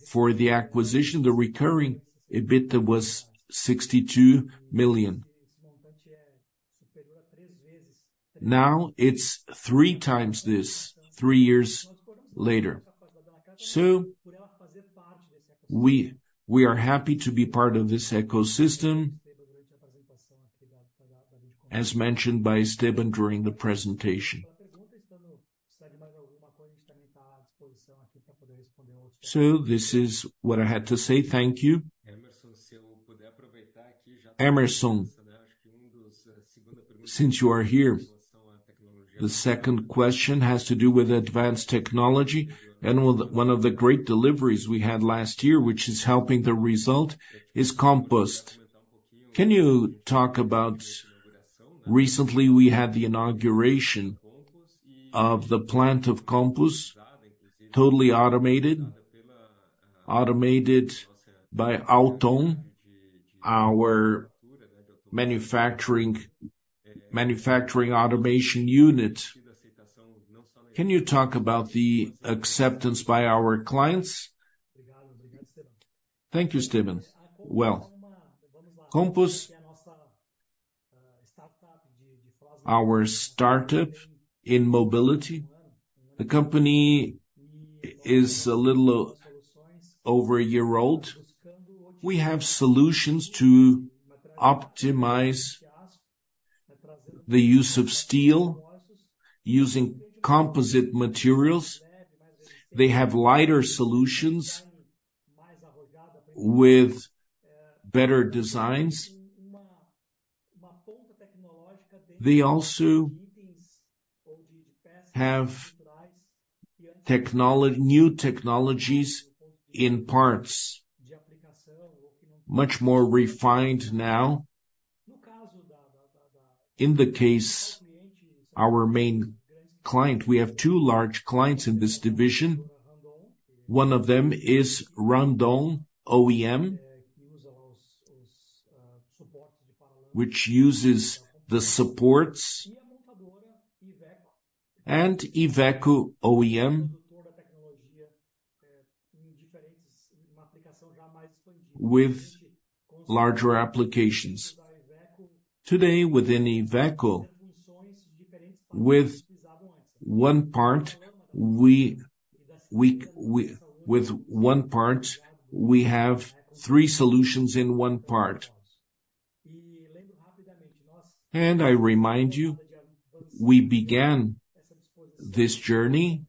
for the acquisition, the recurring EBITDA was BRL 62 million. Now, it's three times this, three years later. So we are happy to be part of this ecosystem, as mentioned by Esteban during the presentation. So this is what I had to say. Thank you. Emerson, since you are here, the second question has to do with advanced technology and one of the great deliveries we had last year, which is helping the result, is Composs. Can you talk about recently, we had the inauguration of the plant of Composs, totally automated by Auttom, our manufacturing automation unit. Can you talk about the acceptance by our clients? Thank you, Esteban. Well, Composs, our startup in mobility, the company is a little over a year old. We have solutions to optimize the use of steel using composite materials. They have lighter solutions with better designs. They also have new technologies in parts, much more refined now. In the case, our main client, we have two large clients in this division. One of them is Randon OEM, which uses the supports, and Iveco OEM with larger applications. Today, within Iveco, with one part, we have three solutions in one part. And I remind you, we began this journey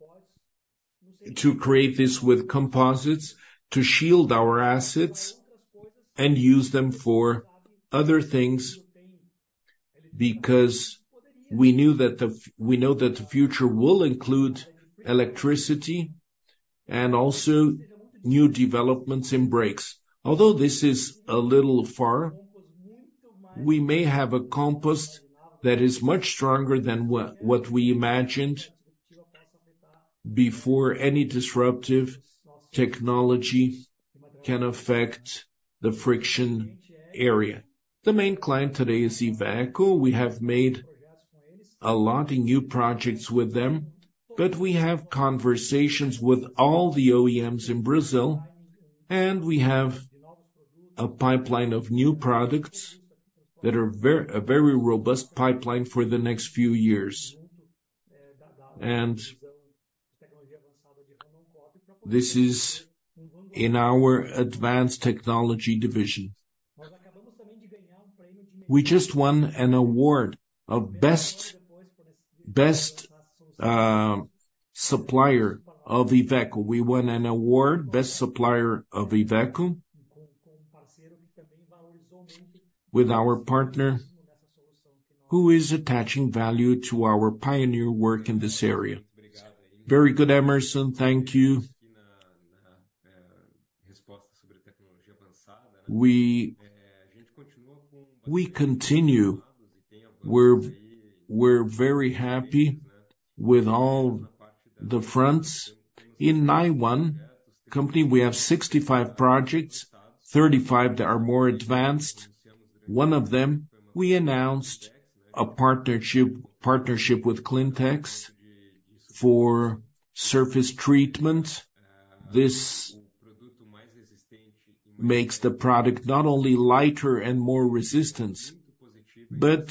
to create this with composites, to shield our assets and use them for other things, because we knew that we know that the future will include electricity and also new developments in brakes. Although this is a little far, we may have a composite that is much stronger than what we imagined before any disruptive technology can affect the friction area. The main client today is Iveco. We have made a lot of new projects with them, but we have conversations with all the OEMs in Brazil, and we have a pipeline of new products that are a very robust pipeline for the next few years. And this is in our advanced technology division. We just won an award of best supplier of Iveco. We won an award, Best Supplier of Iveco, with our partner, who is attaching value to our pioneer work in this area. Very good, Emerson, thank you. We continue. We're very happy with all the fronts. In NIONE company, we have 65 projects, 35 that are more advanced. One of them, we announced a partnership with Clintex for surface treatment. This makes the product not only lighter and more resistance, but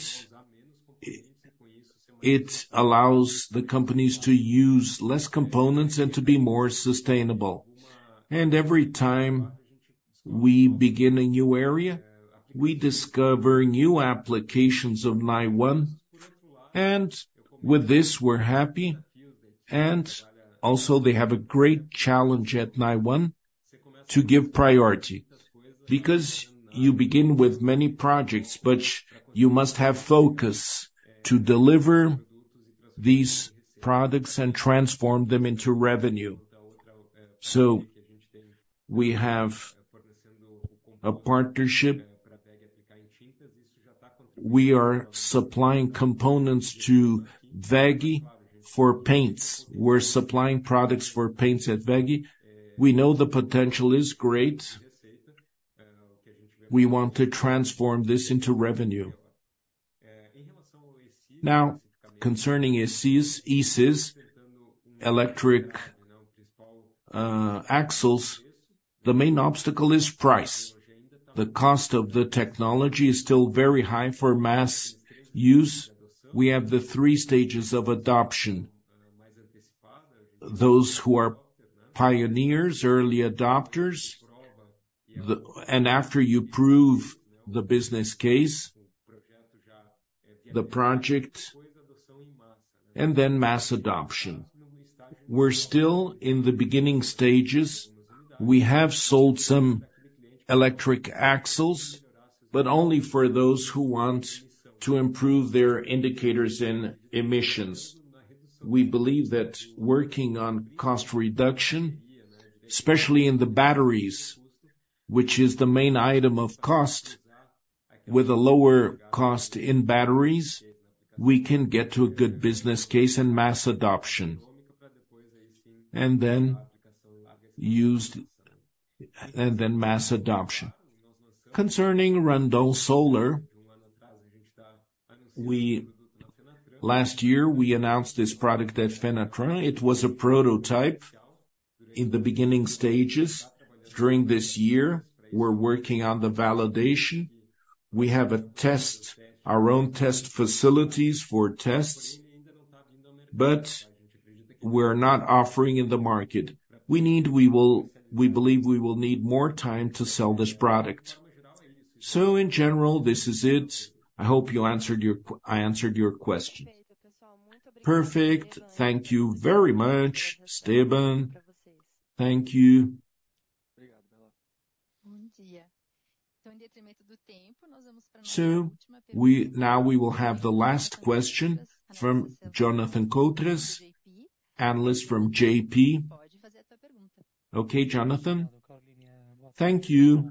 it allows the companies to use less components and to be more sustainable. Every time we begin a new area, we discover new applications of NIONE, and with this, we're happy. Also, they have a great challenge at NIONE to give priority, because you begin with many projects, but you must have focus to deliver these products and transform them into revenue. We have a partnership. We are supplying components to WEG for paints. We're supplying products for paints at WEG. We know the potential is great. We want to transform this into revenue. Now, concerning e-Sys, e-Sys, electric axles, the main obstacle is price. The cost of the technology is still very high for mass use. We have the three stages of adoption. Those who are pioneers, early adopters, and after you prove the business case, the project, and then mass adoption. We're still in the ben ginning stages. We have sold some electric axles, but only for those who want to improve their indicators in emissions. We believe that working on cost reduction, especially in the batteries, which is the main item of cost, with a lower cost in batteries, we can get to a good business case and mass adoption, and then used- and then mass adoption. Concerning Randon Solar, we, last year, announced this product at Fenatran. It was a prototype. In the beginning stages, during this year, we're working on the validation. We have a test, our own test facilities for tests, but we're not offering in the market. We need, we will, we believe we will need more time to sell this product. So in general, this is it. I hope you answered your q- I answered your question. Perfect. Thank you very much, Esteban. Thank you. So we, now we will have the last question from Jonathan Cotres, analyst from JP. Okay, Jonathan? Thank you.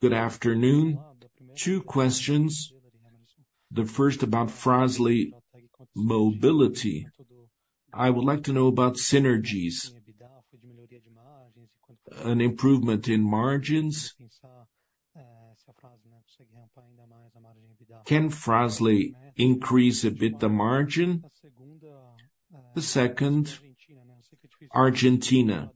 Good afternoon. Two questions. The first about Fras-le Mobility. I would like to know about synergies, an improvement in margins. Can Fras-le increase a bit the margin? The second, Argentina.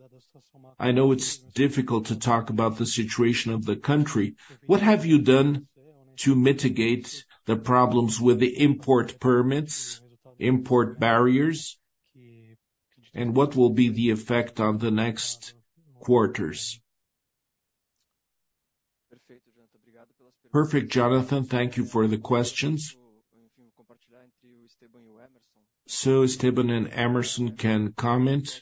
I know it's difficult to talk about the situation of the country. What have you done to mitigate the problems with the import permits, import barriers, and what will be the effect on the next quarters? Perfect, Jonathan. Thank you for the questions. So Esteban and Emerson can comment.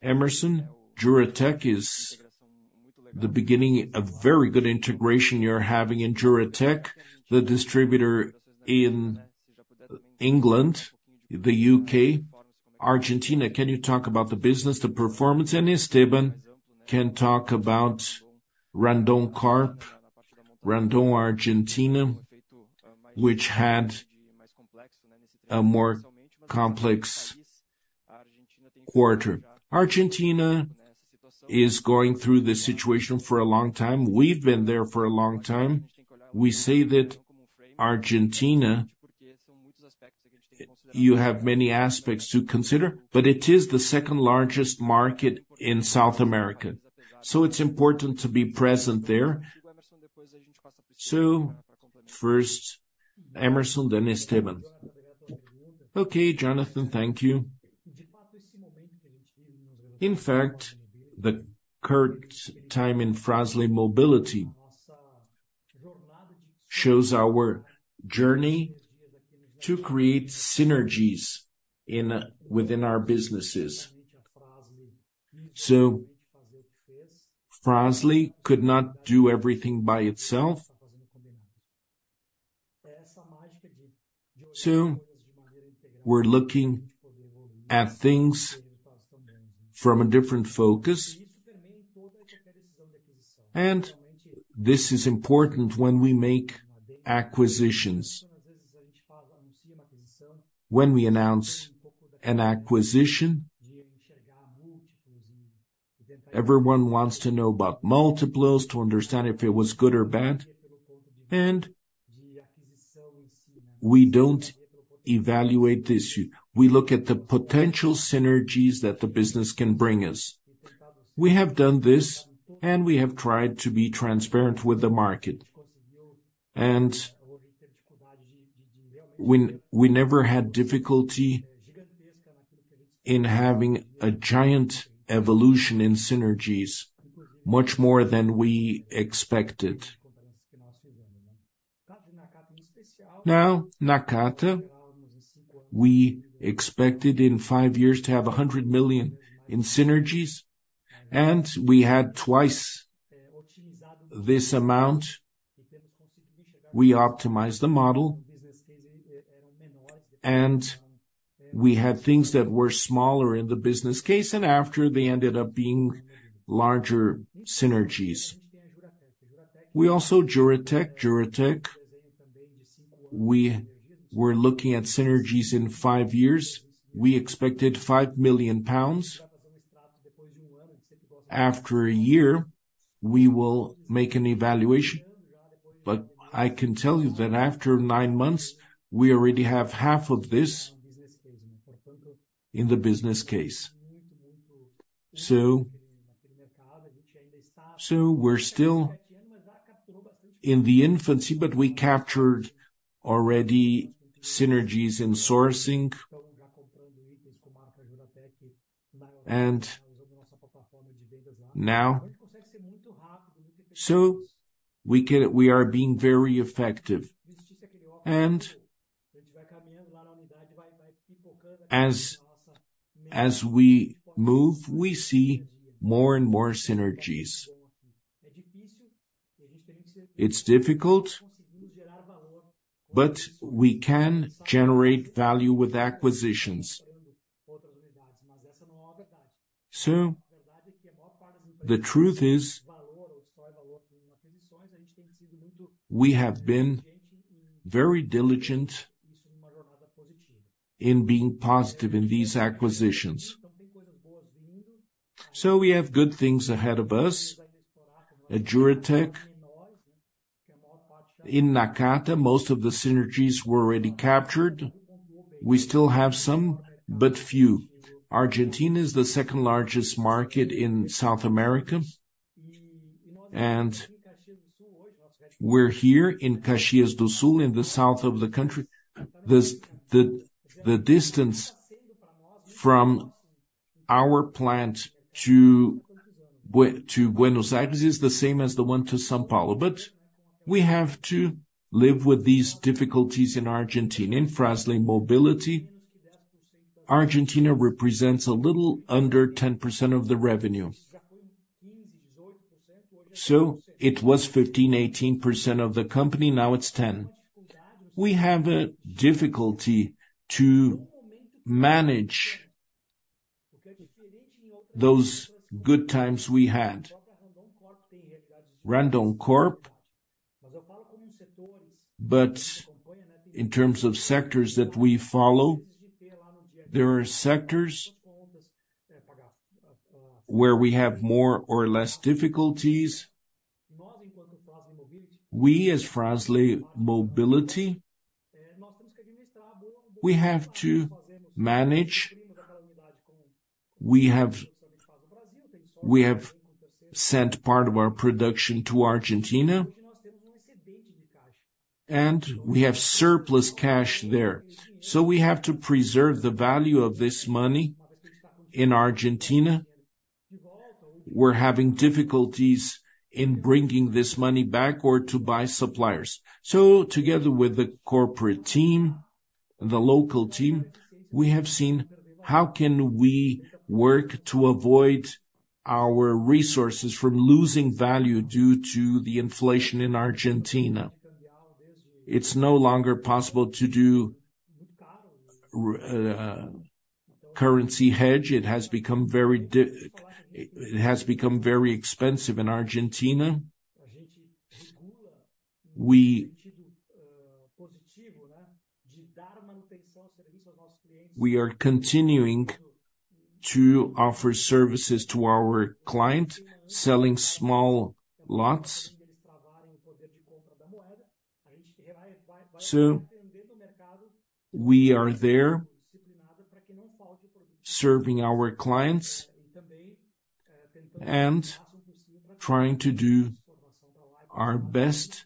Emerson, Juratek is the beginning of very good integration you're having in Juratek, the distributor in England, the UK. Argentina, can you talk about the business, the performance, and Esteban can talk about Randoncorp, Randon Argentina, which had a more complex quarter. Argentina is going through this situation for a long time. We've been there for a long time. We say that Argentina, you have many aspects to consider, but it is the second largest market in South America, so it's important to be present there. So first, Emerson, then Esteban. Okay, Jonathan, thank you. In fact, the current time in Fras-le Mobility shows our journey to create synergies in, within our businesses. So Fras-le could not do everything by itself. So we're looking at things from a different focus, and this is important when we make acquisitions. When we announce an acquisition, everyone wants to know about multiples, to understand if it was good or bad, and we don't evaluate this. We look at the potential synergies that the business can bring us. We have done this, and we have tried to be transparent with the market. When we never had difficulty in having a giant evolution in synergies, much more than we expected. Now, Nakata, we expected in five years to have 100 million in synergies, and we had twice this amount. We optimized the model, and we had things that were smaller in the business case, and after, they ended up being larger synergies. We also, Juratek, we were looking at synergies in five years. We expected 5 million pounds. After a year, we will make an evaluation, but I can tell you that after nine months, we already have GBP 2.5 million in the business case. So, we're still in the infancy, but we captured already synergies in sourcing. And now, we are being very effective. And as we move, we see more and more synergies. It's difficult, but we can generate value with acquisitions. So the truth is, we have been very diligent in being positive in these acquisitions. So we have good things ahead of us. At Juratek, in Nakata, most of the synergies were already captured. We still have some, but few. Argentina is the second largest market in South America, and we're here in Caxias do Sul, in the south of the country. The distance from our plant to Buenos Aires is the same as the one to São Paulo, but we have to live with these difficulties in Argentina. In Fras-le Mobility, Argentina represents a little under 10% of the revenue. So it was 15%, 18% of the company, now it's 10%. We have a difficulty to manage those good times we had. Randoncorp, but in terms of sectors that we follow, there are sectors where we have more or less difficulties. We, as Fras-le Mobility, we have to manage. We have sent part of our production to Argentina, and we have surplus cash there. So we have to preserve the value of this money. In Argentina, we're having difficulties in bringing this money back or to buy suppliers. So together with the corporate team, the local team, we have seen how can we work to avoid our resources from losing value due to the inflation in Argentina. It's no longer possible to do currency hedge. It has become very difficult. It has become very expensive in Argentina. We are continuing to offer services to our client, selling small lots. So we are there, serving our clients and trying to do our best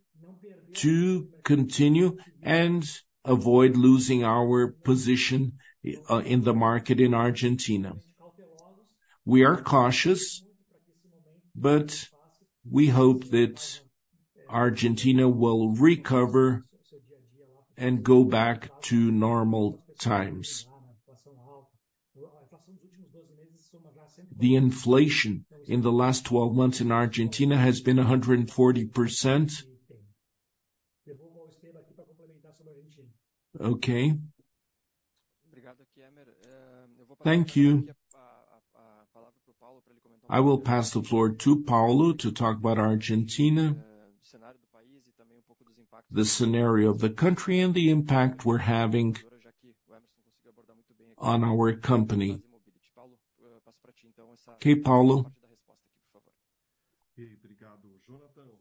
to continue and avoid losing our position in the market in Argentina. We are cautious, but we hope that Argentina will recover and go back to normal times. The inflation in the last 12 months in Argentina has been 140%. Okay. Thank you. I will pass the floor to Paulo to talk about Argentina, the scenario of the country and the impact we're having on our company. Okay, Paulo?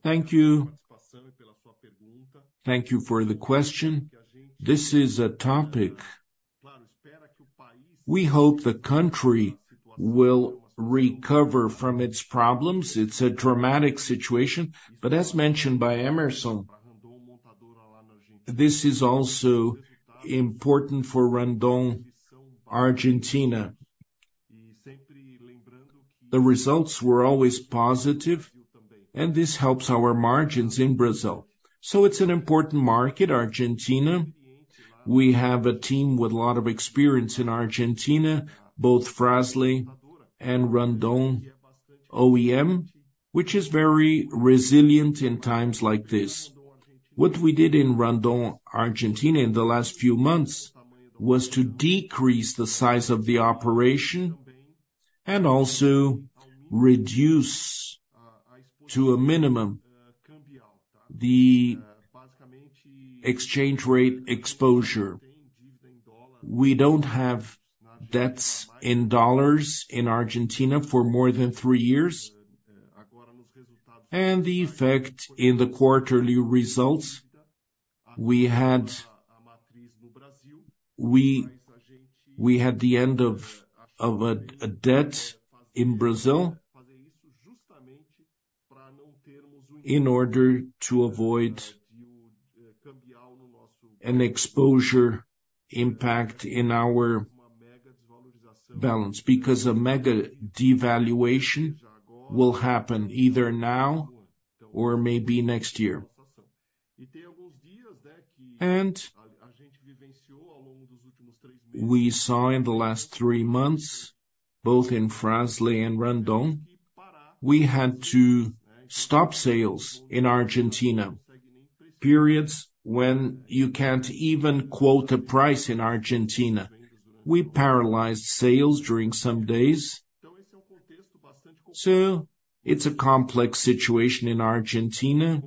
Thank you. Thank you for the question. This is a topic we hope the country will recover from its problems. It's a dramatic situation, but as mentioned by Emerson, this is also important for Randon Argentina. The results were always positive, and this helps our margins in Brazil. So it's an important market, Argentina. We have a team with a lot of experience in Argentina, both Fras-le and Randon OEM, which is very resilient in times like this. What we did in Randon Argentina, in the last few months, was to decrease the size of the operation and also reduce to a minimum the exchange rate exposure. We don't have debts in US dollars in Argentina for more than three years, and the effect in the quarterly results we had. We had the end of a debt in Brazil in order to avoid an exposure impact in our balance, because a mega devaluation will happen either now or maybe next year. We saw in the last three months, both in Fras-le and Randon, we had to stop sales in Argentina. Periods when you can't even quote a price in Argentina. We paralyzed sales during some days. So it's a complex situation in Argentina,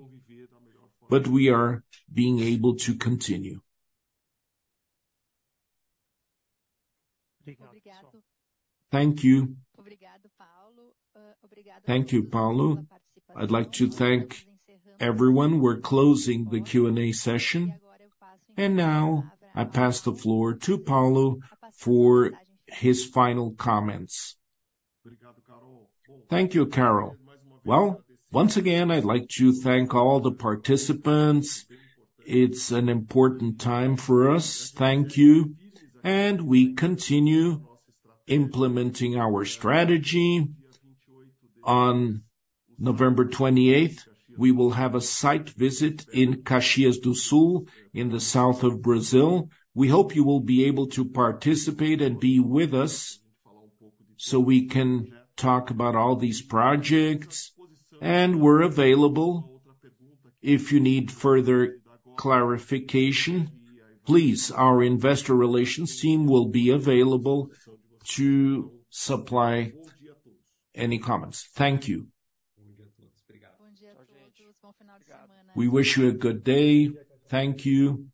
but we are being able to continue. Thank you. Thank you, Paulo. I'd like to thank everyone. We're closing the Q&A session, and now I pass the floor to Paulo for his final comments. Thank you, Carol. Well, once again, I'd like to thank all the participants. It's an important time for us. Thank you. We continue implementing our strategy. On November 28th, we will have a site visit in Caxias do Sul, in the south of Brazil. We hope you will be able to participate and be with us, so we can talk about all these projects, and we're available. If you need further clarification, please, our investor relations team will be available to supply any comments. Thank you. We wish you a good day. Thank you.